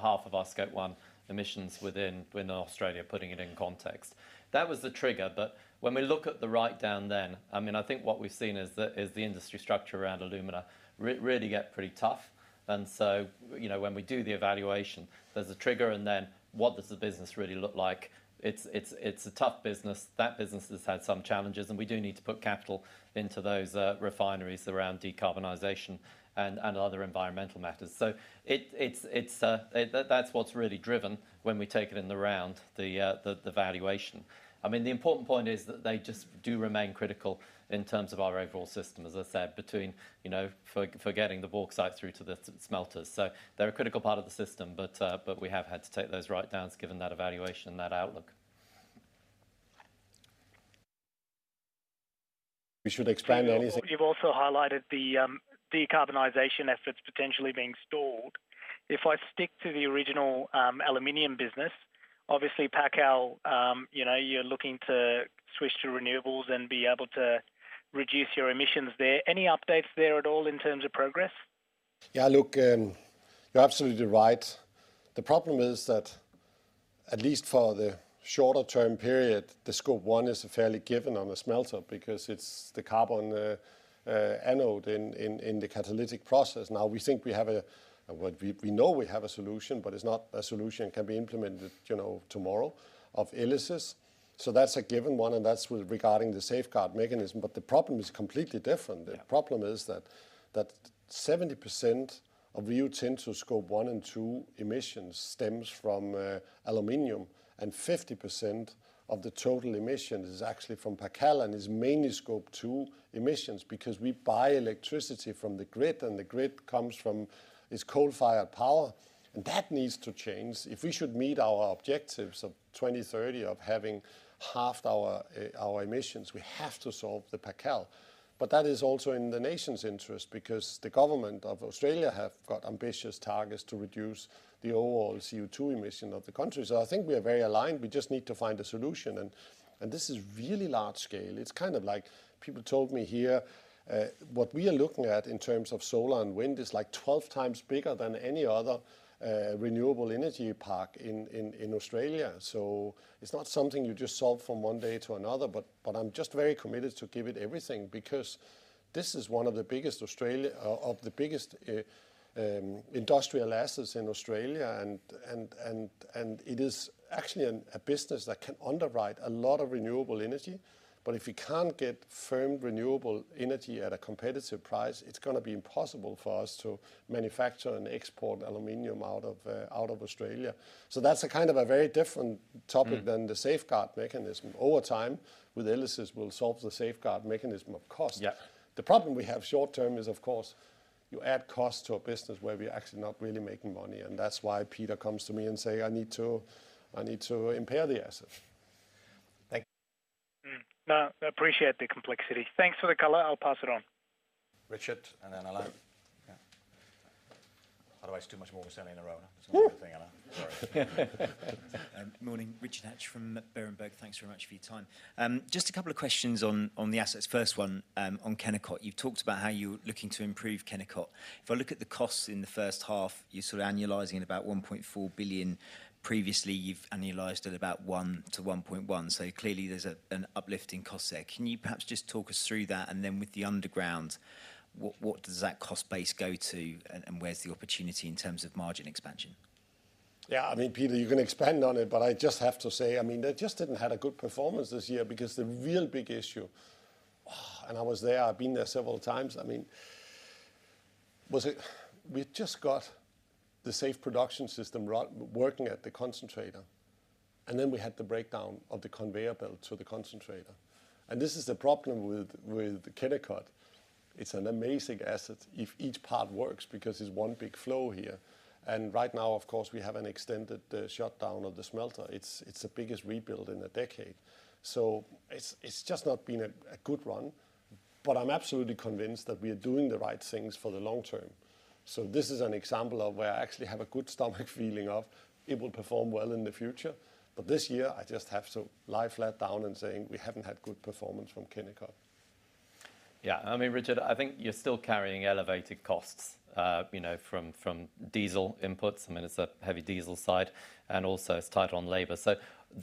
half of our Scope 1 emissions within Australia, putting it in context. That was the trigger. When we look at the write-down then, I mean, I think what we've seen is the industry structure around alumina really get pretty tough. You know, when we do the evaluation, there's a trigger, then what does the business really look like? It's a tough business. That business has had some challenges. We do need to put capital into those refineries around decarbonization and other environmental matters. It's that's what's really driven when we take it in the round, the valuation. I mean, the important point is that they just do remain critical in terms of our overall system, as I said, between, you know, for getting the bauxite through to the smelters. They're a critical part of the system, but we have had to take those write-downs, given that evaluation and that outlook. We should explain. You've also highlighted the decarbonization efforts potentially being stalled. If I stick to the original aluminium business, obviously, PacAl, you know, you're looking to switch to renewables and be able to reduce your emissions there. Any updates there at all in terms of progress? Look, you're absolutely right. The problem is at least for the shorter term period, the Scope 1 is a fairly given on the smelter because it's the carbon anode in the catalytic process. We think we have a, well, we know we have a solution, but it's not a solution that can be implemented, you know, tomorrow, of ELYSIS. That's a given one, and that's with regarding the Safeguard Mechanism. The problem is completely different. The problem is that 70% of Rio Tinto's Scope 1 and 2 emissions stems from aluminium, and 50% of the total emissions is actually from PacAl and is mainly Scope 2 emissions, because we buy electricity from the grid, and the grid comes from this coal-fired power, and that needs to change. If we should meet our objectives of 2030 of having halved our emissions, we have to solve the PacAl. That is also in the nation's interest because the government of Australia have got ambitious targets to reduce the overall CO2 emission of the country. I think we are very aligned. We just need to find a solution, and this is really large scale. It's kind of like people told me here, what we are looking at in terms of solar and wind is like 12 times bigger than any other renewable energy park in Australia. It's not something you just solve from one day to another, but I'm just very committed to give it everything because this is one of the biggest Australia, of the biggest industrial assets in Australia, and it is actually a business that can underwrite a lot of renewable energy. If we can't get firm renewable energy at a competitive price, it's gonna be impossible for us to manufacture and export aluminium out of Australia. That's a kind of a very different topic than the Safeguard Mechanism. Over time, with ELYSIS, we'll solve the Safeguard Mechanism of cost. The problem we have short term is, of course, you add cost to a business where we are actually not really making money, and that's why Peter comes to me and say, "I need to impair the asset." Thank you. Nah, I appreciate the complexity. Thanks for the color. I'll pass it on. Richard, and then Alain. Yeah. Otherwise, too much more in a row. Woo! Sorry. Morning. Richard Hatch from Berenberg. Thanks very much for your time. Just a couple of questions on the assets. First one on Kennecott. You've talked about how you're looking to improve Kennecott. If I look at the costs in the first half, you're sort of annualizing at about $1.4 billion. Previously, you've annualized at about $1 billion-$1.1 billion, so clearly there's an uplifting cost there. Can you perhaps just talk us through that? With the underground, what does that cost base go to, and where's the opportunity in terms of margin expansion? Yeah, I mean, Peter, you can expand on it, but I just have to say, I mean, they just didn't have a good performance this year because the real big issue, and I was there, I've been there several times, I mean, was it, we just got the Safe Production System run, working at the concentrator, and then we had the breakdown of the conveyor belt to the concentrator. This is the problem with Kennecott. It's an amazing asset if each part works, because it's one big flow here, and right now, of course, we have an extended shutdown of the smelter. It's the biggest rebuild in a decade. So it's just not been a good run, but I'm absolutely convinced that we are doing the right things for the long term. This is an example of where I actually have a good stomach feeling of it will perform well in the future. This year, I just have to lie flat down and saying, "We haven't had good performance from Kennecott." Yeah, I mean, Richard, I think you're still carrying elevated costs, you know, from diesel inputs. I mean, it's a heavy diesel site, and also it's tighter on labor.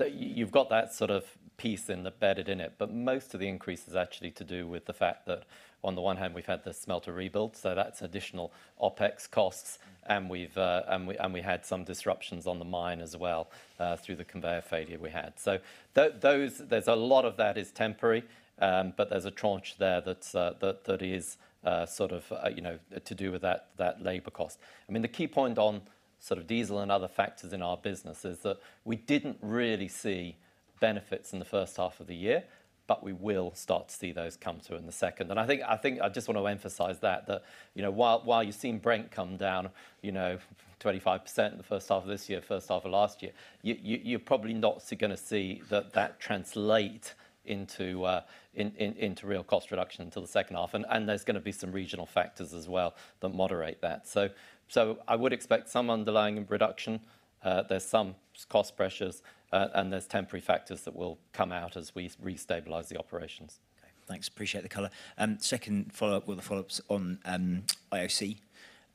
you've got that sort of piece in the... Embedded in it, but most of the increase is actually to do with the fact that, on the one hand, we've had the smelter rebuilt, so that's additional OpEx costs, and we've, and we had some disruptions on the mine as well, through the conveyor failure we had. Those, there's a lot of that is temporary, but there's a tranche there that's, that is, sort of, you know, to do with that labor cost. I mean, the key point on sort of diesel and other factors in our business is that we didn't really see benefits in the first half of the year, but we will start to see those come through in the second. I just want to emphasize that, you know, while you've seen Brent come down, you know, 25% in the first half of this year, first half of last year, you, you're probably not gonna see that translate into real cost reduction until the second half, and there's gonna be some regional factors as well that moderate that. I would expect some underlying reduction. There's some cost pressures, and there's temporary factors that will come out as we restabilize the operations. Okay, thanks. Appreciate the color. Second follow-up with the follow-ups on IOC,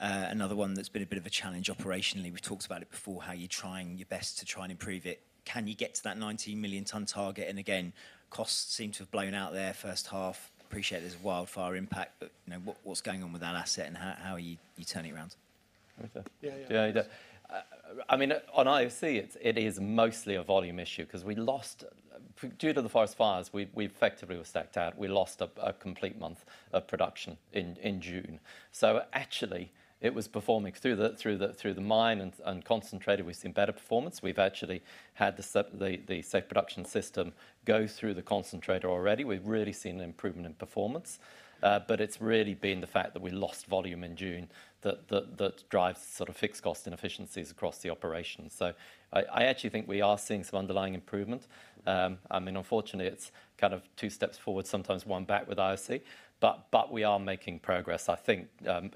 another one that's been a bit of a challenge operationally. We've talked about it before, how you're trying your best to try and improve it. Can you get to that 90 million tons target? Again, costs seem to have blown out there first half. Appreciate there's a wildfire impact, but, you know, what's going on with that asset, and how are you turning it around? Okay. Yeah, yeah. Yeah, I mean, on IOC, it's, it is mostly a volume issue 'cause we lost due to the forest fires, we effectively were stacked out. We lost a complete month of production in June. Actually, it was performing through the mine and concentrator, we've seen better performance. We've actually had the Safe Production System go through the concentrator already. We've really seen an improvement in performance, but it's really been the fact that we lost volume in June, that drives sort of fixed cost inefficiencies across the operation. I actually think we are seeing some underlying improvement. I mean, unfortunately, it's kind of two steps forward, sometimes one back with IOC, but we are making progress, I think,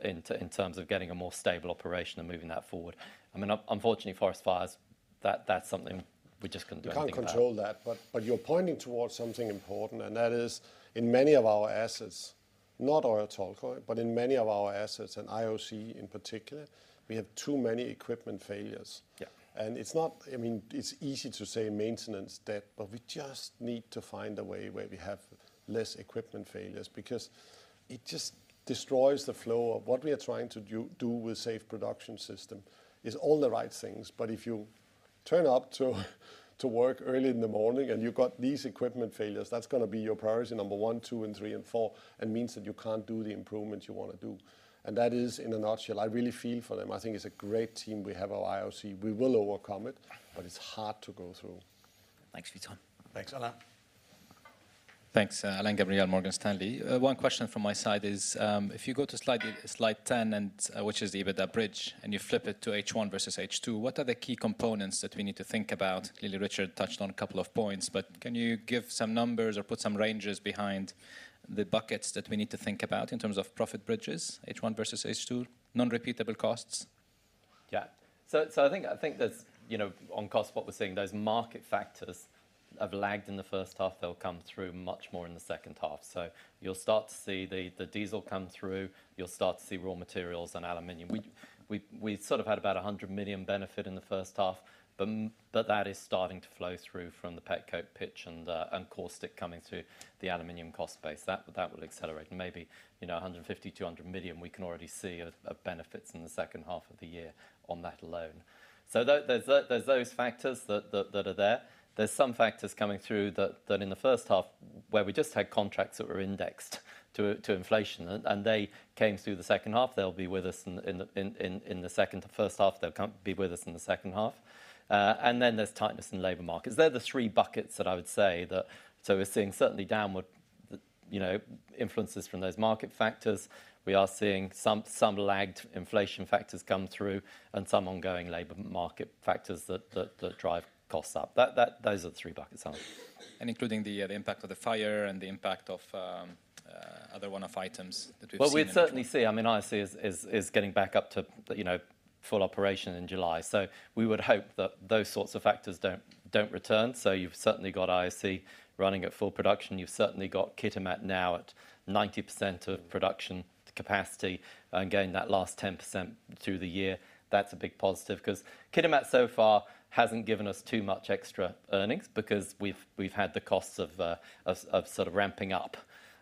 in terms of getting a more stable operation and moving that forward. I mean, unfortunately, forest fires, that's something we just couldn't do anything about. You can't control that, but you're pointing towards something important, and that is, in many of our assets, not Oyu Tolgoi, but in many of our assets, and IOC in particular, we have too many equipment failures. Yeah. I mean, it's easy to say maintenance debt, but we just need to find a way where we have less equipment failures, because it just destroys the flow of what we are trying to do with Safe Production System is all the right things. If you turn up to work early in the morning and you've got these equipment failures, that's gonna be your priority number one, two, and three, and four, and means that you can't do the improvements you wanna do. That is in a nutshell. I really feel for them. I think it's a great team we have our IOC. We will overcome it, but it's hard to go through. Thanks for your time. Thanks. Alain? Thanks. Alain Gabriel, Morgan Stanley. One question from my side is, if you go to slide 10, which is the EBITDA bridge, and you flip it to H1 versus H2, what are the key components that we need to think about? Clearly, Richard touched on a couple of points, can you give some numbers or put some ranges behind the buckets that we need to think about in terms of profit bridges, H1 versus H2, non-repeatable costs? Yeah. I think there's, you know, on cost, what we're seeing, those market factors have lagged in the first half. They'll come through much more in the second half. You'll start to see the diesel come through, you'll start to see raw materials and aluminium. We sort of had about a $100 million benefit in the first half, that is starting to flow through from the pet coke, pitch and caustic coming through the aluminium cost base. That will accelerate. Maybe, you know, $150 million-$200 million, we can already see of benefits in the second half of the year on that alone. There's the, there's those factors that are there. There's some factors coming through that in the first half, where we just had contracts that were indexed to inflation, and they came through the second half. They'll be with us in the second half. Then there's tightness in labor markets. They're the three buckets that I would say that, we're seeing certainly downward, you know, influences from those market factors. We are seeing some lagged inflation factors come through and some ongoing labor market factors that drive costs up. Those are the three buckets, Alain. Including the impact of the fire and the impact of, other one-off items that we've seen. Well, we'd certainly see. I mean, IOC is getting back up to the, you know, full operation in July. We would hope that those sorts of factors don't return. You've certainly got IOC running at full production. You've certainly got Kitimat now at 90% of production capacity and gaining that last 10% through the year. That's a big positive, 'cause Kitimat so far hasn't given us too much extra earnings, because we've had the costs of sort of ramping up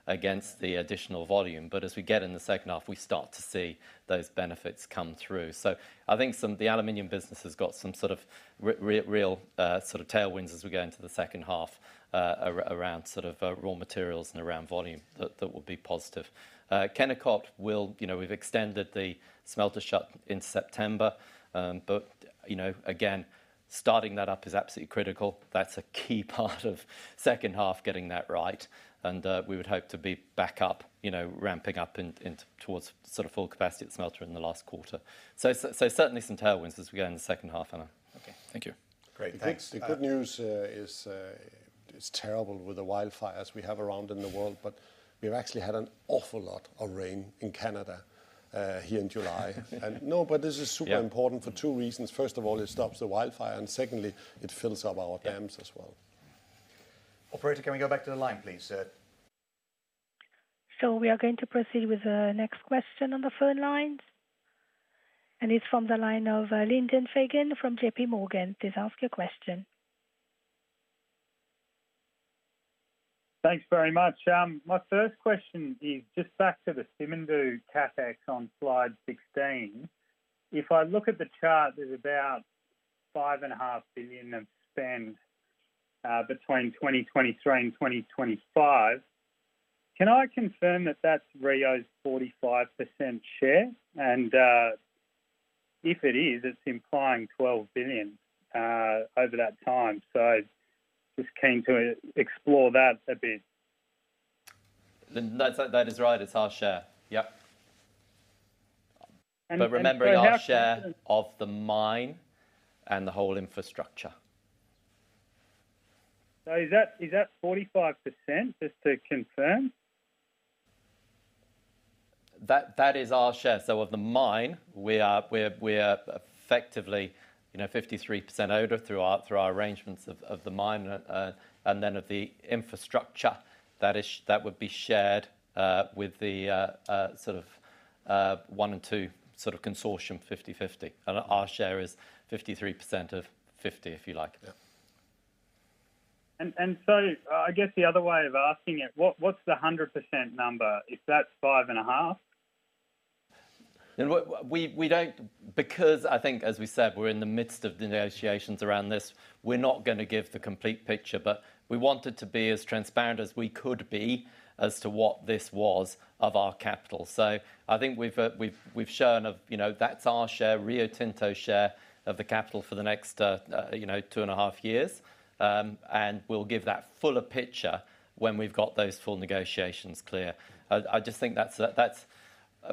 against the additional volume. As we get in the second half, we start to see those benefits come through. I think the aluminium business has got some sort of real tailwinds as we go into the second half, around sort of raw materials and around volume that will be positive. Kennecott will, you know, we've extended the smelter shut in September, but, you know, again, starting that up is absolutely critical. That's a key part of second half, getting that right. We would hope to be back up, you know, ramping up in towards sort of full capacity at smelter in the last quarter. Certainly some tailwinds as we go in the second half, Alain. Okay, thank you. Great. Thanks. The good news, is, it's terrible with the wildfires we have around in the world, but we've actually had an awful lot of rain in Canada, here in July. No, but this is important for two reasons. First of all, it stops the wildfire. Secondly, it fills up our dams as well. Yeah. Operator, can we go back to the line, please? We are going to proceed with the next question on the phone lines, and it's from the line of Lyndon Fagan from JPMorgan. Please ask your question. Thanks very much. My first question is just back to the Simandou CapEx on slide 16. If I look at the chart, there's about $5.5 billion of spend between 2023 and 2025. Can I confirm that that's Rio's 45% share? If it is, it's implying $12 billion over that time. Just keen to explore that a bit. That's, that is right. It's our share. Yep. And, and so how- Remembering our share of the mine and the whole infrastructure. Is that 45%, just to confirm? That is our share. Of the mine, we are effectively, you know, 53% owner through our arrangements of the mine. Then of the infrastructure that would be shared with the sort of one and two sort of consortium, 50/50. Our share is 53% of 50, if you like. Yeah. I guess the other way of asking it, what's the 100% number if that's 5.5? We don't, because I think, as we said, we're in the midst of negotiations around this. We're not gonna give the complete picture, but we wanted to be as transparent as we could be as to what this was of our capital. I think we've shown of, you know, that's our share, Rio Tinto's share of the capital for the next, you know, 2.5 years. We'll give that fuller picture when we've got those full negotiations clear. I just think that's,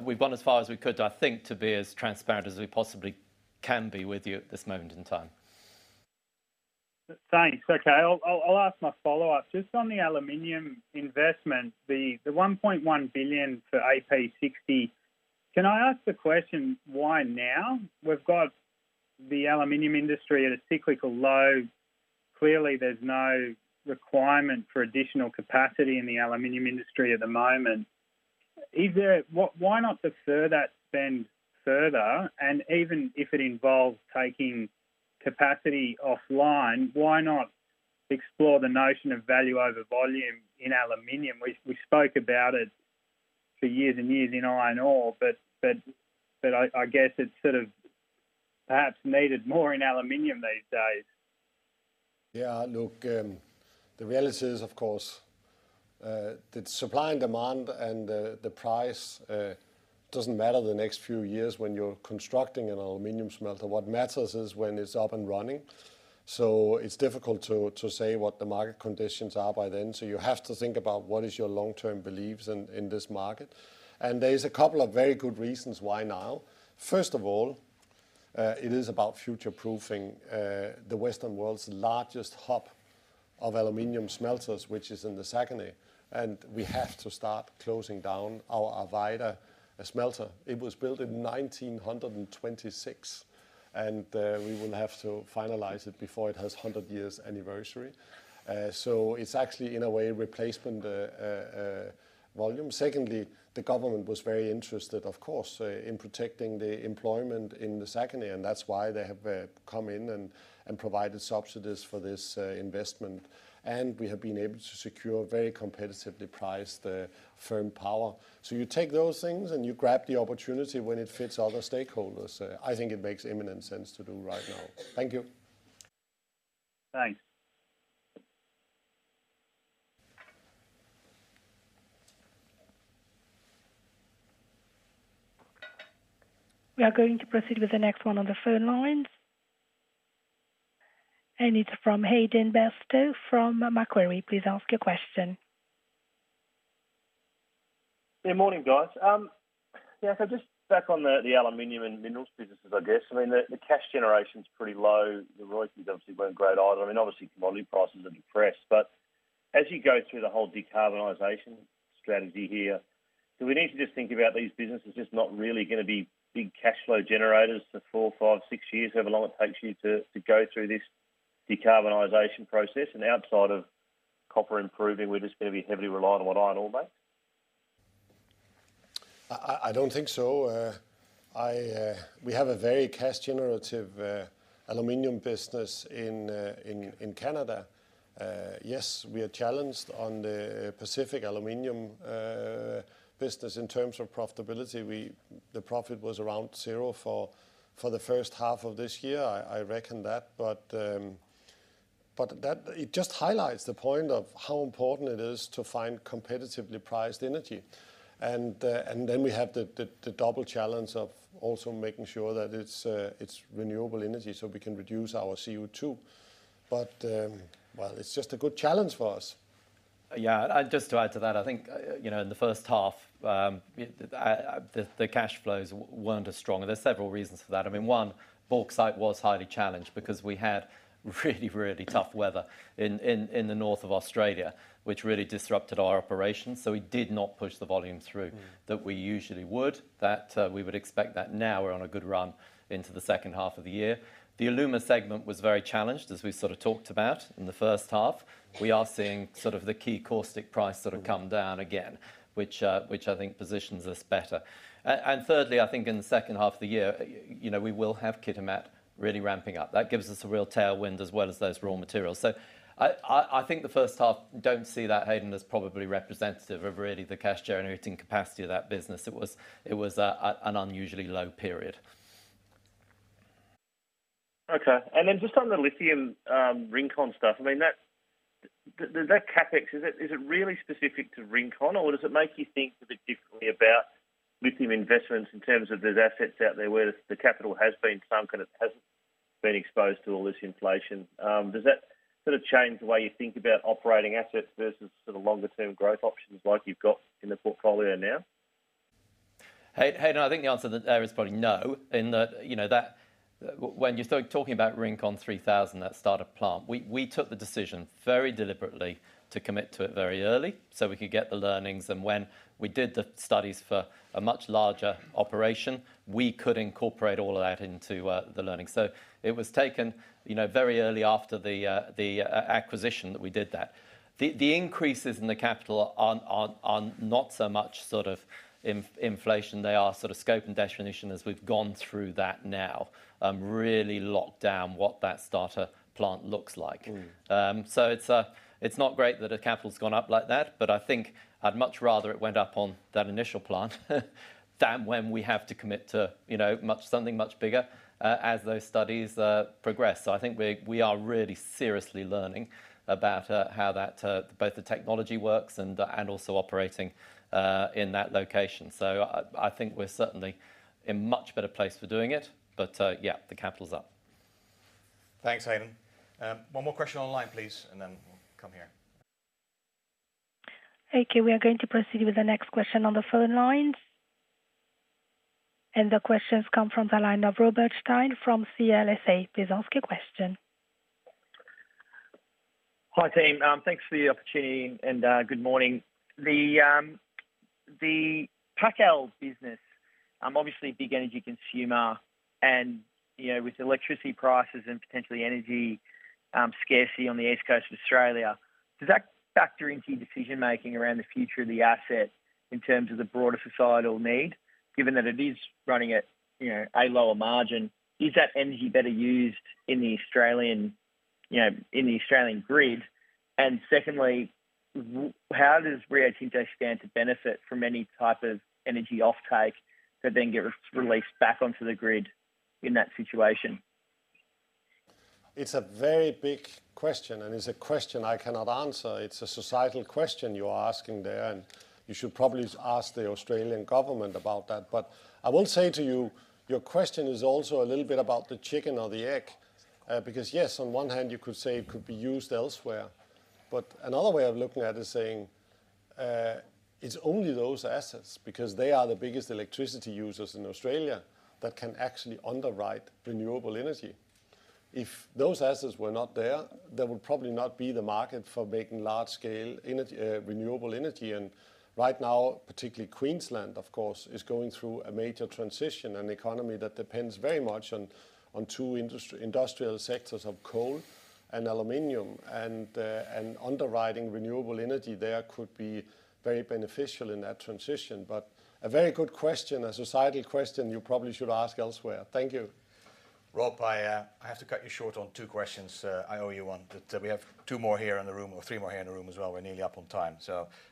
we've gone as far as we could, I think, to be as transparent as we possibly can be with you at this moment in time. Thanks. Okay. I'll ask my follow-up. Just on the aluminium investment, the $1.1 billion for AP60, can I ask the question, why now? We've got the aluminium industry at a cyclical low. Clearly, there's no requirement for additional capacity in the aluminium industry at the moment. Why not defer that spend further? Even if it involves taking capacity offline, why not explore the notion of value over volume in aluminium? We spoke about it for years and years in iron ore, but I guess it's sort of perhaps needed more in aluminium these days. The reality is, of course, that supply and demand and the price doesn't matter the next few years when you're constructing an aluminium smelter. What matters is when it's up and running. It's difficult to say what the market conditions are by then. You have to think about what is your long-term beliefs in this market. There's a couple of very good reasons why now. First of all, it is about future-proofing the Western world's largest hub of aluminium smelters, which is in the Saguenay, and we have to start closing down our Arvida smelter. It was built in 1926, we will have to finalize it before it has 100 years anniversary. It's actually, in a way, replacement volume. The government was very interested, of course, in protecting the employment in the Saguenay, and that's why they have come in and provided subsidies for this investment. We have been able to secure very competitively priced firm power. You take those things, and you grab the opportunity when it fits other stakeholders. I think it makes imminent sense to do right now. Thank you. Thanks. We are going to proceed with the next one on the phone lines. It's from Hayden Bairstow from Macquarie. Please ask your question. Morning, guys. Just back on the aluminium and minerals businesses, I guess. I mean, the cash generation is pretty low. The royalties obviously weren't great either. I mean, obviously, commodity prices are depressed, but as you go through the whole decarbonization strategy here, do we need to just think about these businesses as just not really gonna be big cash flow generators for four, five, six years, however long it takes you to go through this decarbonization process? Outside of copper improving, we're just gonna be heavily reliant on what iron ore makes. I don't think so. We have a very cash-generative aluminium business in Canada. Yes, we are challenged on the Pacific Aluminium business in terms of profitability. The profit was around zero for the first half of this year. I reckon that, but that it just highlights the point of how important it is to find competitively priced energy. Then we have the double challenge of also making sure that it's renewable energy, so we can reduce our CO2. Well, it's just a good challenge for us. Yeah, just to add to that, I think, you know, in the first half, the cash flows weren't as strong, and there's several reasons for that. I mean, one, bauxite was highly challenged because we had really tough weather in the north of Australia, which really disrupted our operations, so we did not push the volume through that we usually would. That, we would expect that now we're on a good run into the second half of the year. The Alumar segment was very challenged, as we sort of talked about in the first half. We are seeing sort of the key caustic price sort of come down again, which I think positions us better. Thirdly, I think in the second half of the year, you know, we will have Kitimat really ramping up. That gives us a real tailwind as well as those raw materials. I think the first half, don't see that, Hayden, as probably representative of really the cash-generating capacity of that business. It was an unusually low period. Just on the lithium, Rincon stuff, I mean, that CapEx, is it really specific to Rincon, or does it make you think a bit differently about lithium investments in terms of there's assets out there where the capital has been sunk, and it hasn't been exposed to all this inflation? Does that sort of change the way you think about operating assets versus sort of longer-term growth options like you've got in the portfolio now? Hayden, I think the answer to that is probably no, in that, you know when you're talking about Rincon 3,000, that start-up plant, we took the decision very deliberately to commit to it very early so we could get the learnings. When we did the studies for a much larger operation, we could incorporate all of that into the learning. It was taken, you know, very early after the acquisition that we did that. The increases in the capital are not so much sort of inflation. They are sort of scope and definition as we've gone through that now, really locked down what that starter plant looks like. It's not great that the capital's gone up like that, but I think I'd much rather it went up on that initial plant, than when we have to commit to, you know, something much bigger, as those studies progress. I think we are really seriously learning about, how that, both the technology works and also operating, in that location. I think we're certainly in much better place for doing it. Yeah, the capital's up. Thanks, Hayden. One more question on the line, please, and then we'll come here. Okay, we are going to proceed with the next question on the phone lines. The question's come from the line of Robert Stein from CLSA. Please ask your question. Hi, team. Thanks for the opportunity, and good morning. The PacAl business, obviously a big energy consumer, and, you know, with electricity prices and potentially energy scarcity on the east coast of Australia, does that factor into your decision-making around the future of the asset in terms of the broader societal need, given that it is running at, you know, a lower margin? Is that energy better used in the Australian, you know, in the Australian grid? Secondly, how does Rio Tinto stand to benefit from any type of energy offtake that then get released back onto the grid in that situation? It's a very big question, and it's a question I cannot answer. It's a societal question you're asking there, and you should probably ask the Australian government about that. I will say to you, your question is also a little bit about the chicken or the egg. Because, yes, on one hand, you could say it could be used elsewhere, but another way of looking at it is saying, it's only those assets, because they are the biggest electricity users in Australia, that can actually underwrite renewable energy. If those assets were not there, there would probably not be the market for making large-scale energy, renewable energy. Right now, particularly Queensland, of course, is going through a major transition, an economy that depends very much on two industrial sectors of coal and aluminium. Underwriting renewable energy, there could be very beneficial in that transition. A very good question, a societal question you probably should ask elsewhere. Thank you. Rob, I have to cut you short on two questions. I owe you one. We have two more here in the room, or three more here in the room as well. We're nearly up on time.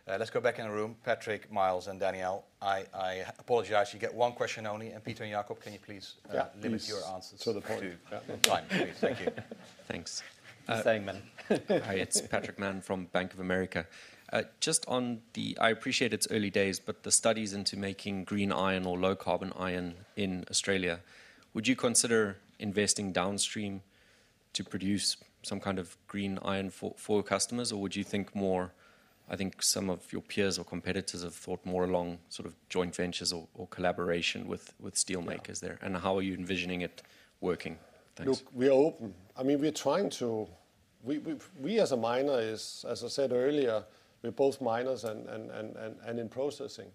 Let's go back in the room. Patrick, Myles, and Danielle. I apologize. You get one question only, and Peter and Jakob, can you please limit your answers to the point? Yeah. Thank you. Thanks. Just saying, man. Hi, it's Patrick Mann from Bank of America. I appreciate it's early days, but the studies into making green iron or low-carbon iron in Australia, would you consider investing downstream to produce some kind of green iron for your customers? Would you think more, I think some of your peers or competitors have thought more along sort of joint ventures or collaboration with steelmakers there? How are you envisioning it working? Thanks. Look, we're open. I mean, we're trying. We as a miner is, as I said earlier, we're both miners and in processing.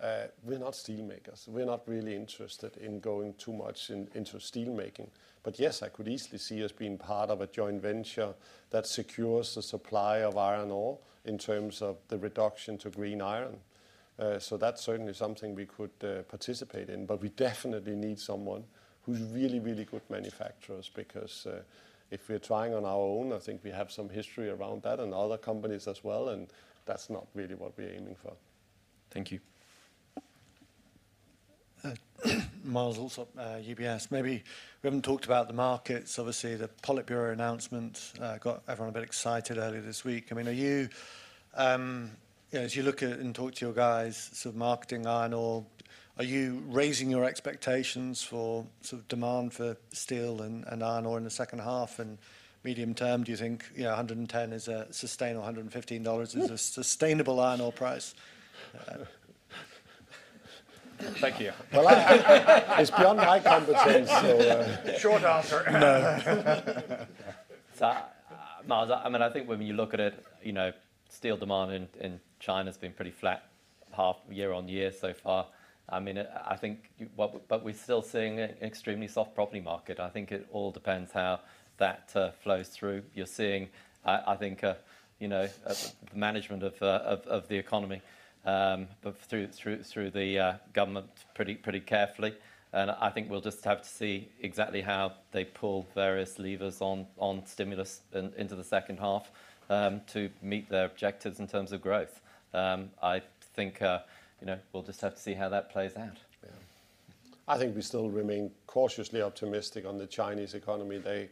We're not steelmakers. We're not really interested in going too much into steelmaking. Yes, I could easily see us being part of a joint venture that secures the supply of iron ore in terms of the reduction to green iron. That's certainly something we could participate in, but we definitely need someone who's really good manufacturers. If we're trying on our own, I think we have some history around that and other companies as well, that's not really what we're aiming for. Thank you. Myles Allsop, UBS. Maybe we haven't talked about the markets. Obviously, the Politburo announcement got everyone a bit excited earlier this week. I mean, are you know, as you look at and talk to your guys sort of marketing iron ore, are you raising your expectations for sort of demand for steel and iron ore in the second half and medium term? Do you think, you know, $110 is a sustainable, $115 is a sustainable iron ore price? Thank you. Well, It's beyond my competency, so. Short answer. No. Myles, I mean, I think when you look at it, you know, steel demand in China's been pretty flat half year-on-year so far. I mean, I think but we're still seeing an extremely soft property market. I think it all depends how that flows through. You're seeing, I think, you know, the management of the economy, but through the government pretty carefully. And I think we'll just have to see exactly how they pull various levers on stimulus into the second half to meet their objectives in terms of growth. I think, you know, we'll just have to see how that plays out. Yeah. I think we still remain cautiously optimistic on the Chinese economy. They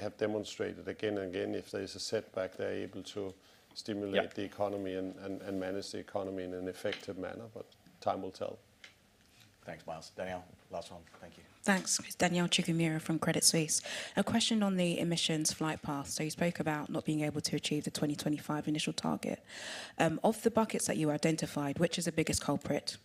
have demonstrated again and again, if there's a setback, they're able to stimulate the economy and manage the economy in an effective manner, but time will tell. Thanks, Myles. Danielle, last one. Thank you. Thanks. Danielle Chigumira from Credit Suisse. A question on the emissions flight path. You spoke about not being able to achieve the 2025 initial target. Of the buckets that you identified, which is the biggest culprit?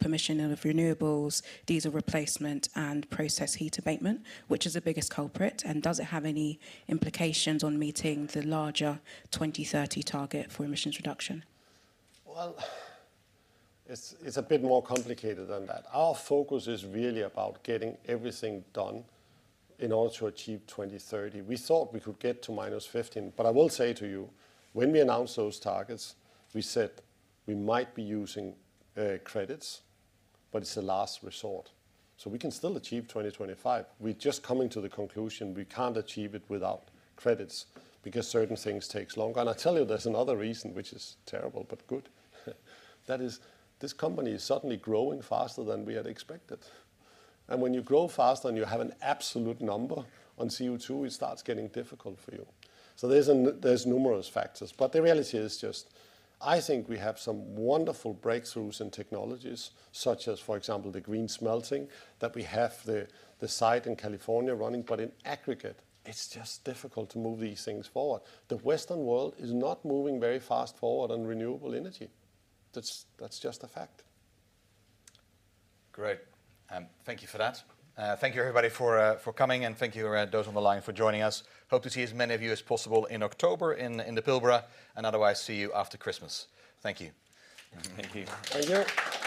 Permission of renewables, diesel replacement, and process heat abatement, which is the biggest culprit, and does it have any implications on meeting the larger 2030 target for emissions reduction? Well, it's a bit more complicated than that. Our focus is really about getting everything done in order to achieve 2030. We thought we could get to -15, but I will say to you, when we announced those targets, we said we might be using credits, but it's a last resort. We can still achieve 2025. We're just coming to the conclusion we can't achieve it without credits because certain things takes longer. I tell you, there's another reason which is terrible, but good. That is, this company is suddenly growing faster than we had expected. When you grow faster and you have an absolute number on CO2, it starts getting difficult for you. There's numerous factors, but the reality is just, I think we have some wonderful breakthroughs in technologies, such as, for example, the green smelting, that we have the site in California running, but in aggregate, it's just difficult to move these things forward. The Western world is not moving very fast forward on renewable energy. That's just a fact. Great, thank you for that. Thank you, everybody, for coming, and thank you, those on the line for joining us. Hope to see as many of you as possible in October in the Pilbara, and otherwise, see you after Christmas. Thank you. Thank you. Thank you. Thanks. Need to go, need to go, need to go.